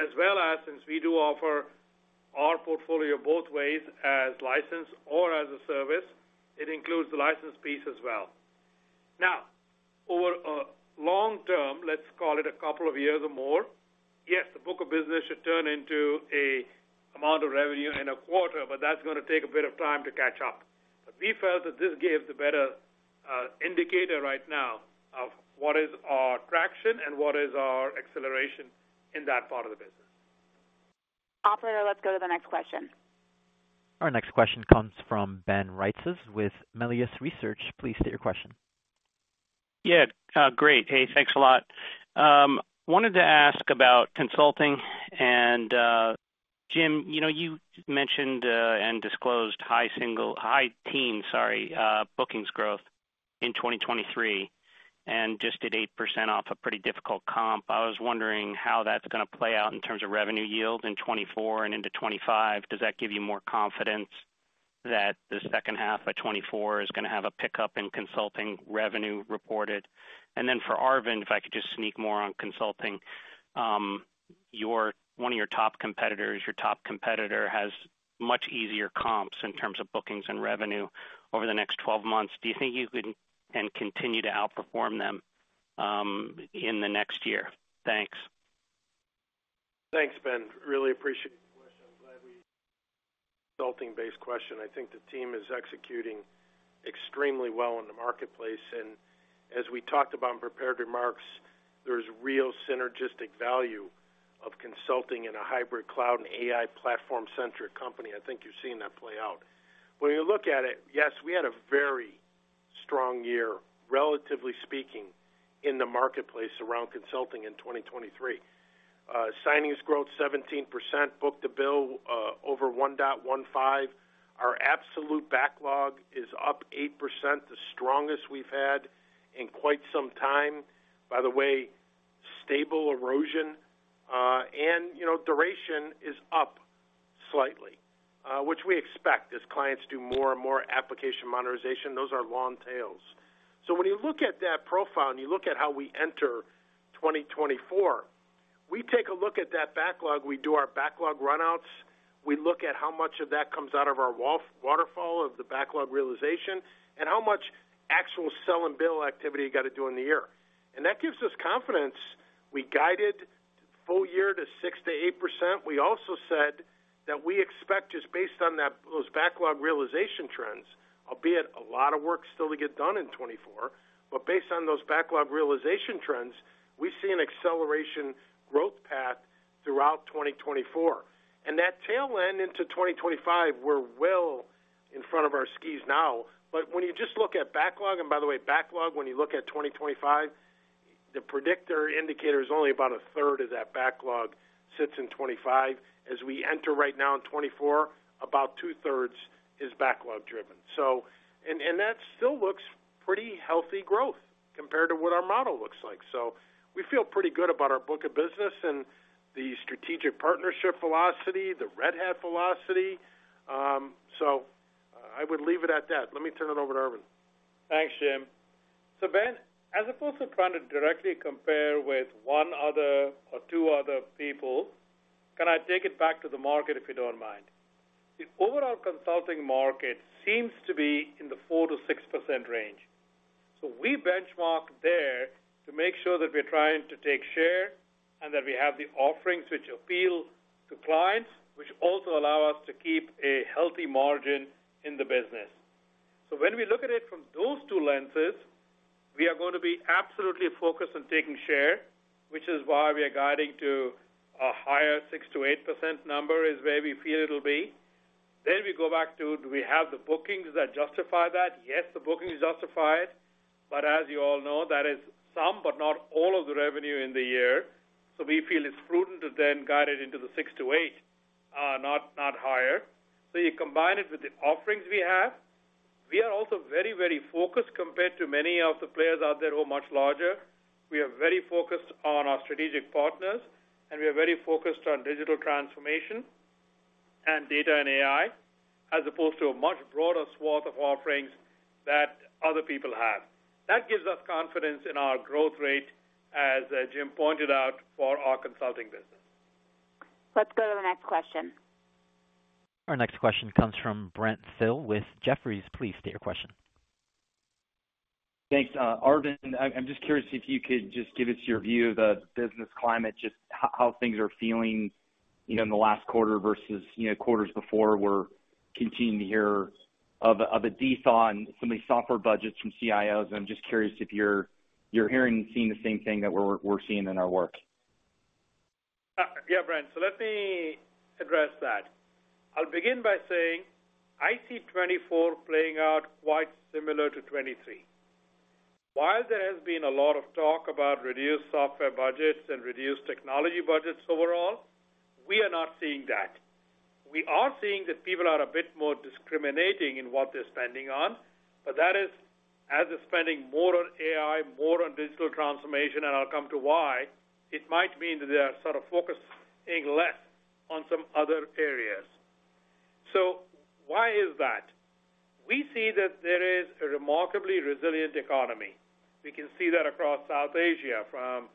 as well as since we do offer our portfolio both ways as licensed or as-a-service, it includes the license piece as well. Now, over long term, let's call it a couple of years or more, yes, the book of business should turn into a amount of revenue in a quarter, but that's going to take a bit of time to catch up. But we felt that this gives a better indicator right now of what is our traction and what is our acceleration in that part of the business. Operator, let's go to the next question. Our next question comes from Ben Reitzes with Melius Research. Please state your question. Yeah, great. Hey, thanks a lot. Wanted to ask about consulting and, Jim, you know, you mentioned and disclosed high single, high teen, sorry, bookings growth in 2023, and just at 8% off a pretty difficult comp. I was wondering how that's gonna play out in terms of revenue yield in 2024 and into 2025. Does that give you more confidence that the second half of 2024 is gonna have a pickup in consulting revenue reported? And then for Arvind, if I could just sneak more on consulting. Your one of your top competitors, your top competitor, has much easier comps in terms of bookings and revenue over the next 12 months. Do you think you can continue to outperform them in the next year? Thanks. Thanks, Ben. Really appreciate the question. I'm glad it's a consulting-based question. I think the team is executing extremely well in the marketplace, and as we talked about in prepared remarks, there's real synergistic value of consulting in a hybrid cloud and AI platform-centric company. I think you're seeing that play out. When you look at it, yes, we had a very strong year, relatively speaking, in the marketplace around consulting in 2023. Signings growth 17%, book-to-bill over 1.15. Our absolute backlog is up 8%, the strongest we've had in quite some time. By the way, stable erosion, and, you know, duration is up slightly, which we expect as clients do more and more application modernization. Those are long tails. So when you look at that profile, and you look at how we enter 2024, we take a look at that backlog. We do our backlog runouts. We look at how much of that comes out of our waterfall, of the backlog realization, and how much actual sell and bill activity you got to do in the year. And that gives us confidence. We guided full year to 6%-8%. We also said that we expect, just based on that, those backlog realization trends, albeit a lot of work still to get done in 2024, but based on those backlog realization trends, we see an acceleration growth path throughout 2024. And that tail end into 2025, we're well in front of our skis now. But when you just look at backlog, and by the way, backlog, when you look at 2025, the predictor indicator is only about a third of that backlog sits in 2025. As we enter right now in 2024, about two-thirds is backlog driven. So... and, and that still looks pretty healthy growth compared to what our model looks like. So we feel pretty good about our book of business and the strategic partnership velocity, the Red Hat velocity. So I would leave it at that. Let me turn it over to Arvind. Thanks, Jim. So Ben, as opposed to trying to directly compare with one other or two other people, can I take it back to the market, if you don't mind? The overall consulting market seems to be in the 4%-6% range. So we benchmark there to make sure that we're trying to take share, and that we have the offerings which appeal to clients, which also allow us to keep a healthy margin in the business. So when we look at it from those two lenses, we are going to be absolutely focused on taking share, which is why we are guiding to a higher 6%-8% number, is where we feel it'll be. Then we go back to, do we have the bookings that justify that? Yes, the bookings justify it, but as you all know, that is some, but not all, of the revenue in the year. So we feel it's prudent to then guide it into the 6-8, not, not higher. So you combine it with the offerings we have. We are also very, very focused compared to many of the players out there who are much larger. We are very focused on our strategic partners, and we are very focused on digital transformation and data and AI, as opposed to a much broader swath of offerings that other people have. That gives us confidence in our growth rate, as Jim pointed out, for our consulting business. Let's go to the next question. Our next question comes from Brent Thill with Jefferies. Please state your question. Thanks. Arvind, I'm just curious if you could just give us your view of the business climate, just how things are feeling, you know, in the last quarter versus, you know, quarters before. We're continuing to hear of a thaw on some of these software budgets from CIOs, and I'm just curious if you're hearing and seeing the same thing that we're seeing in our work. Yeah, Brent, so let me address that. I'll begin by saying I see 2024 playing out quite similar to 2023. While there has been a lot of talk about reduced software budgets and reduced technology budgets overall, we are not seeing that. We are seeing that people are a bit more discriminating in what they're spending on, but that is as they're spending more on AI, more on digital transformation, and I'll come to why, it might mean that they are sort of focusing less on some other areas. So why is that? We see that there is a remarkably resilient economy. We can see that across South Asia, from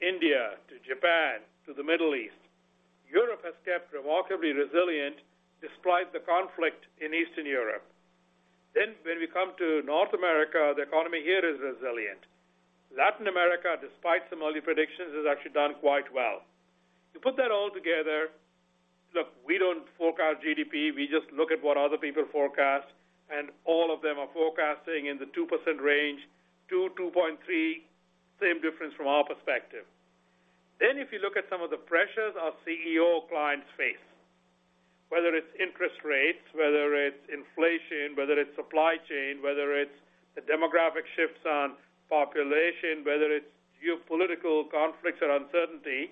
India to Japan to the Middle East. Europe has kept remarkably resilient despite the conflict in Eastern Europe. Then, when we come to North America, the economy here is resilient. Latin America, despite some early predictions, has actually done quite well. You put that all together... Look, we don't forecast GDP. We just look at what other people forecast, and all of them are forecasting in the 2% range, 2, 2.3, same difference from our perspective. Then, if you look at some of the pressures our CEO clients face.... whether it's interest rates, whether it's inflation, whether it's supply chain, whether it's the demographic shifts on population, whether it's geopolitical conflicts or uncertainty,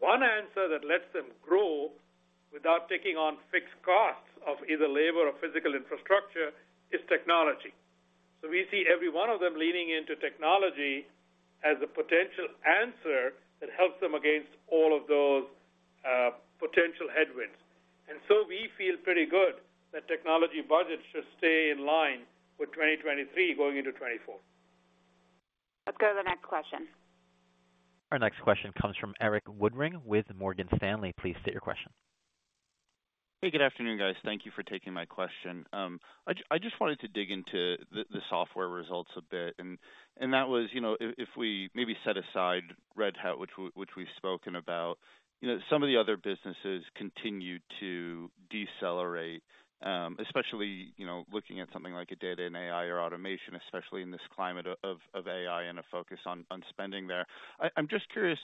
one answer that lets them grow without taking on fixed costs of either labor or physical infrastructure is technology. So we see every one of them leaning into technology as a potential answer that helps them against all of those, potential headwinds. And so we feel pretty good that technology budgets should stay in line with 2023 going into 2024. Let's go to the next question. Our next question comes from Erik Woodring with Morgan Stanley. Please state your question. Hey, good afternoon, guys. Thank you for taking my question. I just wanted to dig into the software results a bit, and that was, you know, if we maybe set aside Red Hat, which we've spoken about, you know, some of the other businesses continued to decelerate, especially, you know, looking at something like a data and AI or automation, especially in this climate of AI and a focus on spending there. I'm just curious,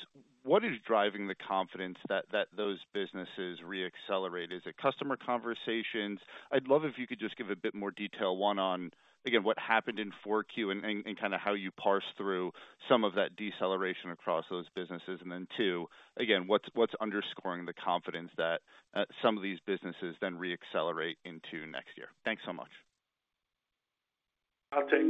what is driving the confidence that those businesses reaccelerate? Is it customer conversations? I'd love if you could just give a bit more detail, one, on again, what happened in Q4 and kinda how you parse through some of that deceleration across those businesses. And then, two, again, what's underscoring the confidence that some of these businesses then reaccelerate into next year? Thanks so much. I'll take.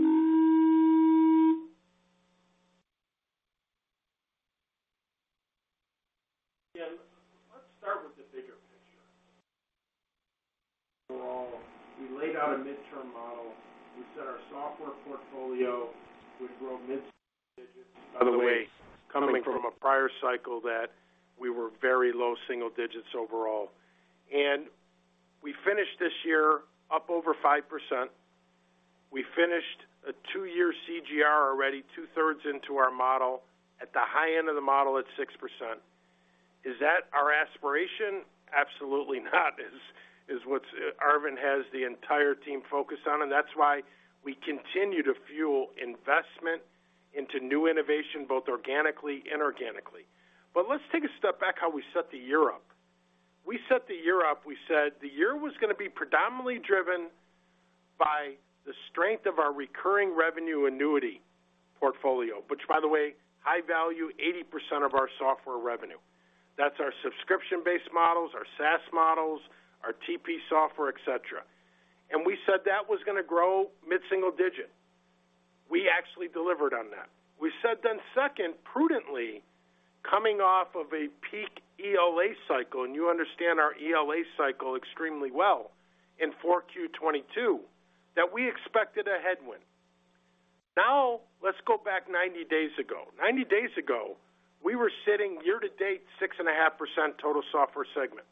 Yeah, let's start with the bigger picture. We laid out a midterm model. We said our software portfolio would grow mid-single digits. By the way, coming from a prior cycle that we were very low single digits overall. And we finished this year up over 5%. We finished a two-year CGR, already two-thirds into our model, at the high end of the model at 6%. Is that our aspiration? Absolutely not. Is, is what's... Arvind has the entire team focused on, and that's why we continue to fuel investment into new innovation, both organically and inorganically. But let's take a step back how we set the year up. We set the year up. We said the year was gonna be predominantly driven by the strength of our recurring revenue annuity portfolio, which, by the way, high value, 80% of our software revenue. That's our subscription-based models, our SaaS models, our TP software, et cetera. We said that was gonna grow mid-single digit. We actually delivered on that. We said then second, prudently, coming off of a peak ELA cycle, and you understand our ELA cycle extremely well, in 4Q 2022, that we expected a headwind. Now, let's go back 90 days ago. Ninety days ago, we were sitting year to date, 6.5% total software segment,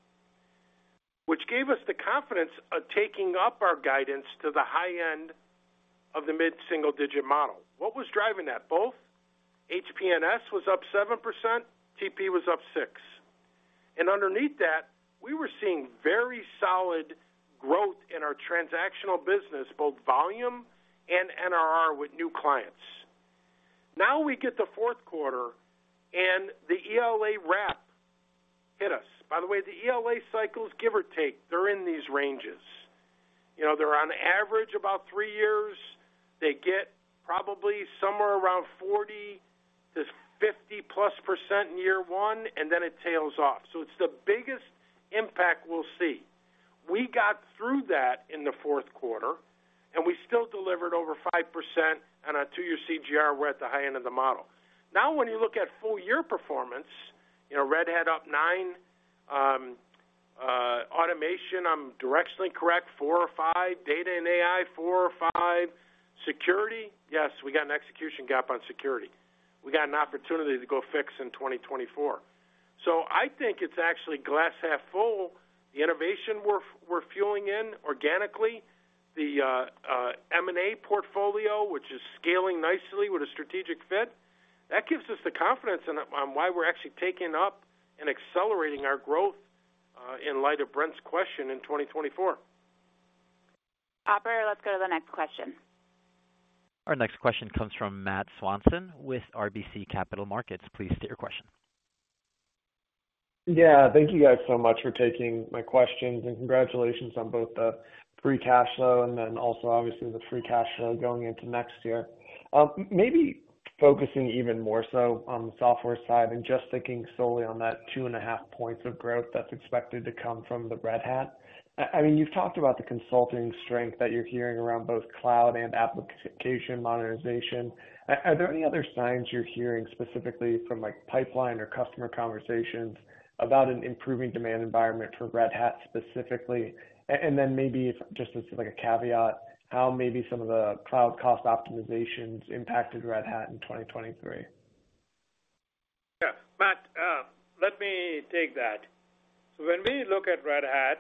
which gave us the confidence of taking up our guidance to the high end of the mid-single digit model. What was driving that? Both HP&S was up 7%, TP was up 6%. Underneath that, we were seeing very solid growth in our transactional business, both volume and NRR, with new clients. Now we get to fourth quarter, and the ELA wrap hit us. By the way, the ELA cycles, give or take, they're in these ranges. You know, they're on average about 3 years. They get probably somewhere around 40 to 50-plus percent in year one, and then it tails off. So it's the biggest impact we'll see. We got through that in the fourth quarter, and we still delivered over 5% on our 2-year CGR, we're at the high end of the model. Now, when you look at full year performance, you know, Red Hat up 9, automation, I'm directionally correct, 4 or 5, data and AI, 4 or 5. Security, yes, we got an execution gap on security. We got an opportunity to go fix in 2024. So I think it's actually glass half full. The innovation we're fueling organically, the M&A portfolio, which is scaling nicely with a strategic fit, that gives us the confidence on why we're actually taking up and accelerating our growth, in light of Brent's question in 2024. Operator, let's go to the next question. Our next question comes from Matt Swanson with RBC Capital Markets. Please state your question. Yeah, thank you guys so much for taking my questions, and congratulations on both the free cash flow and then also, obviously, the free cash flow going into next year. Maybe focusing even more so on the software side and just thinking solely on that 2.5 points of growth that's expected to come from Red Hat. I mean, you've talked about the consulting strength that you're hearing around both cloud and application monetization. Are there any other signs you're hearing specifically from, like, pipeline or customer conversations about an improving demand environment for Red Hat, specifically? And then maybe if just as, like, a caveat, how maybe some of the cloud cost optimizations impacted Red Hat in 2023? Yeah, Matt, let me take that. So when we look at Red Hat,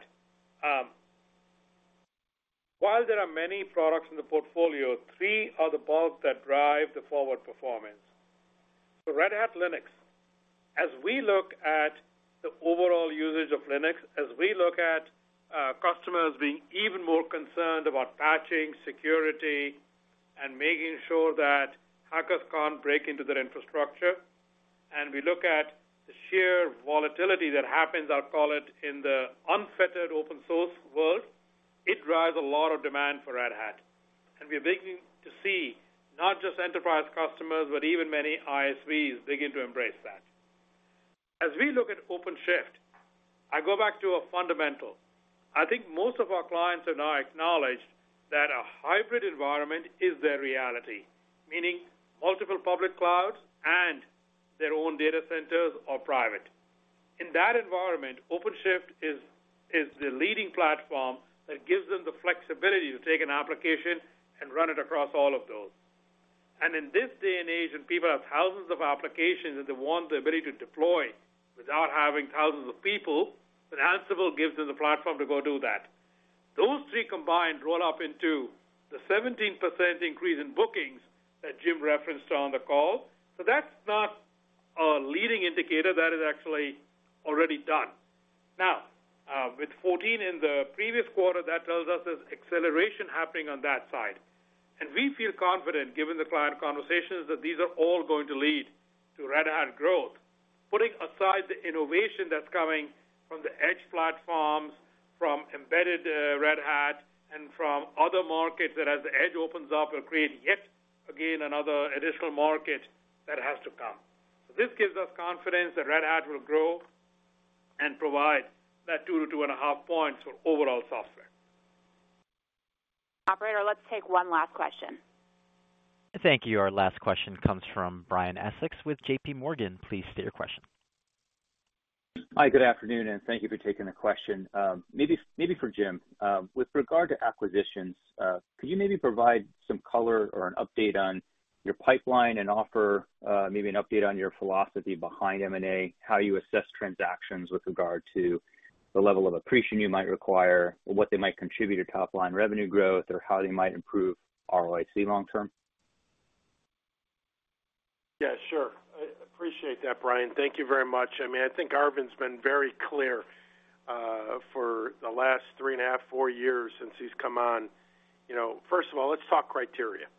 while there are many products in the portfolio, three are the bulbs that drive the forward performance. So Red Hat Linux, as we look at the overall usage of Linux, as we look at customers being even more concerned about patching, security, and making sure that hackers can't break into their infrastructure,... and we look at the sheer volatility that happens, I'll call it, in the unfettered open source world, it drives a lot of demand for Red Hat, and we're beginning to see not just enterprise customers, but even many ISVs begin to embrace that. As we look at OpenShift, I go back to a fundamental. I think most of our clients have now acknowledged that a hybrid environment is their reality, meaning multiple public clouds and their own data centers or private. In that environment, OpenShift is the leading platform that gives them the flexibility to take an application and run it across all of those. And in this day and age, when people have thousands of applications, and they want the ability to deploy without having thousands of people, then Ansible gives them the platform to go do that. Those three combined roll up into the 17% increase in bookings that Jim referenced on the call. So that's not a leading indicator. That is actually already done. Now, with 14 in the previous quarter, that tells us there's acceleration happening on that side. And we feel confident, given the client conversations, that these are all going to lead to Red Hat growth, putting aside the innovation that's coming from the edge platforms, from embedded Red Hat, and from other markets, that as the edge opens up, will create yet again another additional market that has to come. So this gives us confidence that Red Hat will grow and provide that 2-2.5 points for overall software. Operator, let's take one last question. Thank you. Our last question comes from Brian Essex with JP Morgan. Please state your question. Hi, good afternoon, and thank you for taking the question. Maybe, maybe for Jim. With regard to acquisitions, could you maybe provide some color or an update on your pipeline and offer, maybe an update on your philosophy behind M&A, how you assess transactions with regard to the level of accretion you might require, or what they might contribute to top-line revenue growth, or how they might improve ROIC long term? Yeah, sure. I appreciate that, Brian. Thank you very much. I mean, I think Arvind's been very clear for the last 3.5-4 years since he's come on. You know, first of all, let's talk criteria,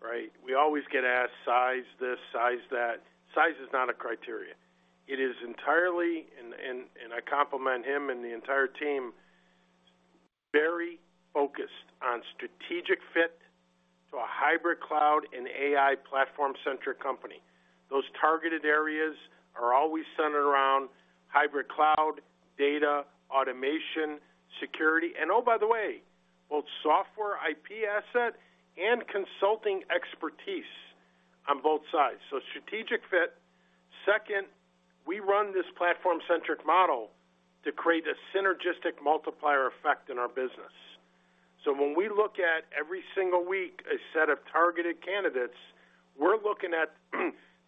right? We always get asked size this, size that. Size is not a criteria. It is entirely, and, and, and I compliment him and the entire team, very focused on strategic fit to a hybrid cloud and AI platform-centric company. Those targeted areas are always centered around hybrid cloud, data, automation, security, and oh, by the way, both software IP asset and consulting expertise on both sides. So strategic fit. Second, we run this platform-centric model to create a synergistic multiplier effect in our business. So when we look at every single week a set of targeted candidates, we're looking at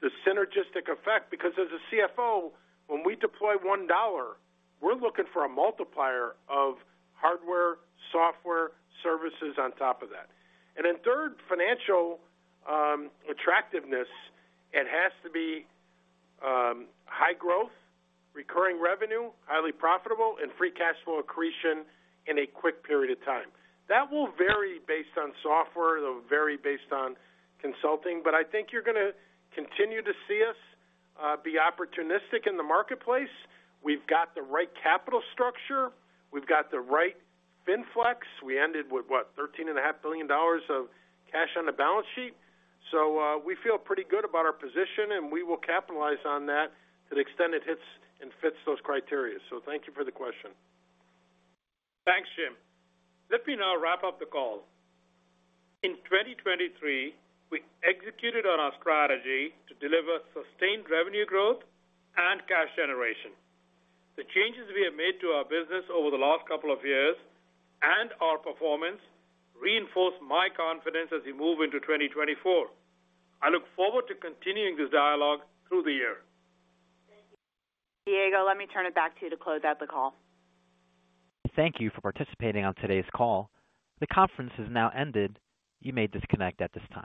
the synergistic effect, because as a CFO, when we deploy one dollar, we're looking for a multiplier of hardware, software, services on top of that. And then third, financial attractiveness, it has to be high growth, recurring revenue, highly profitable, and free cash flow accretion in a quick period of time. That will vary based on software. It'll vary based on consulting, but I think you're gonna continue to see us be opportunistic in the marketplace. We've got the right capital structure. We've got the right financial flexibility. We ended with what? $13.5 billion of cash on the balance sheet. So, we feel pretty good about our position, and we will capitalize on that to the extent it hits and fits those criteria. Thank you for the question. Thanks, Jim. Let me now wrap up the call. In 2023, we executed on our strategy to deliver sustained revenue growth and cash generation. The changes we have made to our business over the last couple of years, and our performance, reinforce my confidence as we move into 2024. I look forward to continuing this dialogue through the year. Diego, let me turn it back to you to close out the call. Thank you for participating on today's call. The conference has now ended. You may disconnect at this time.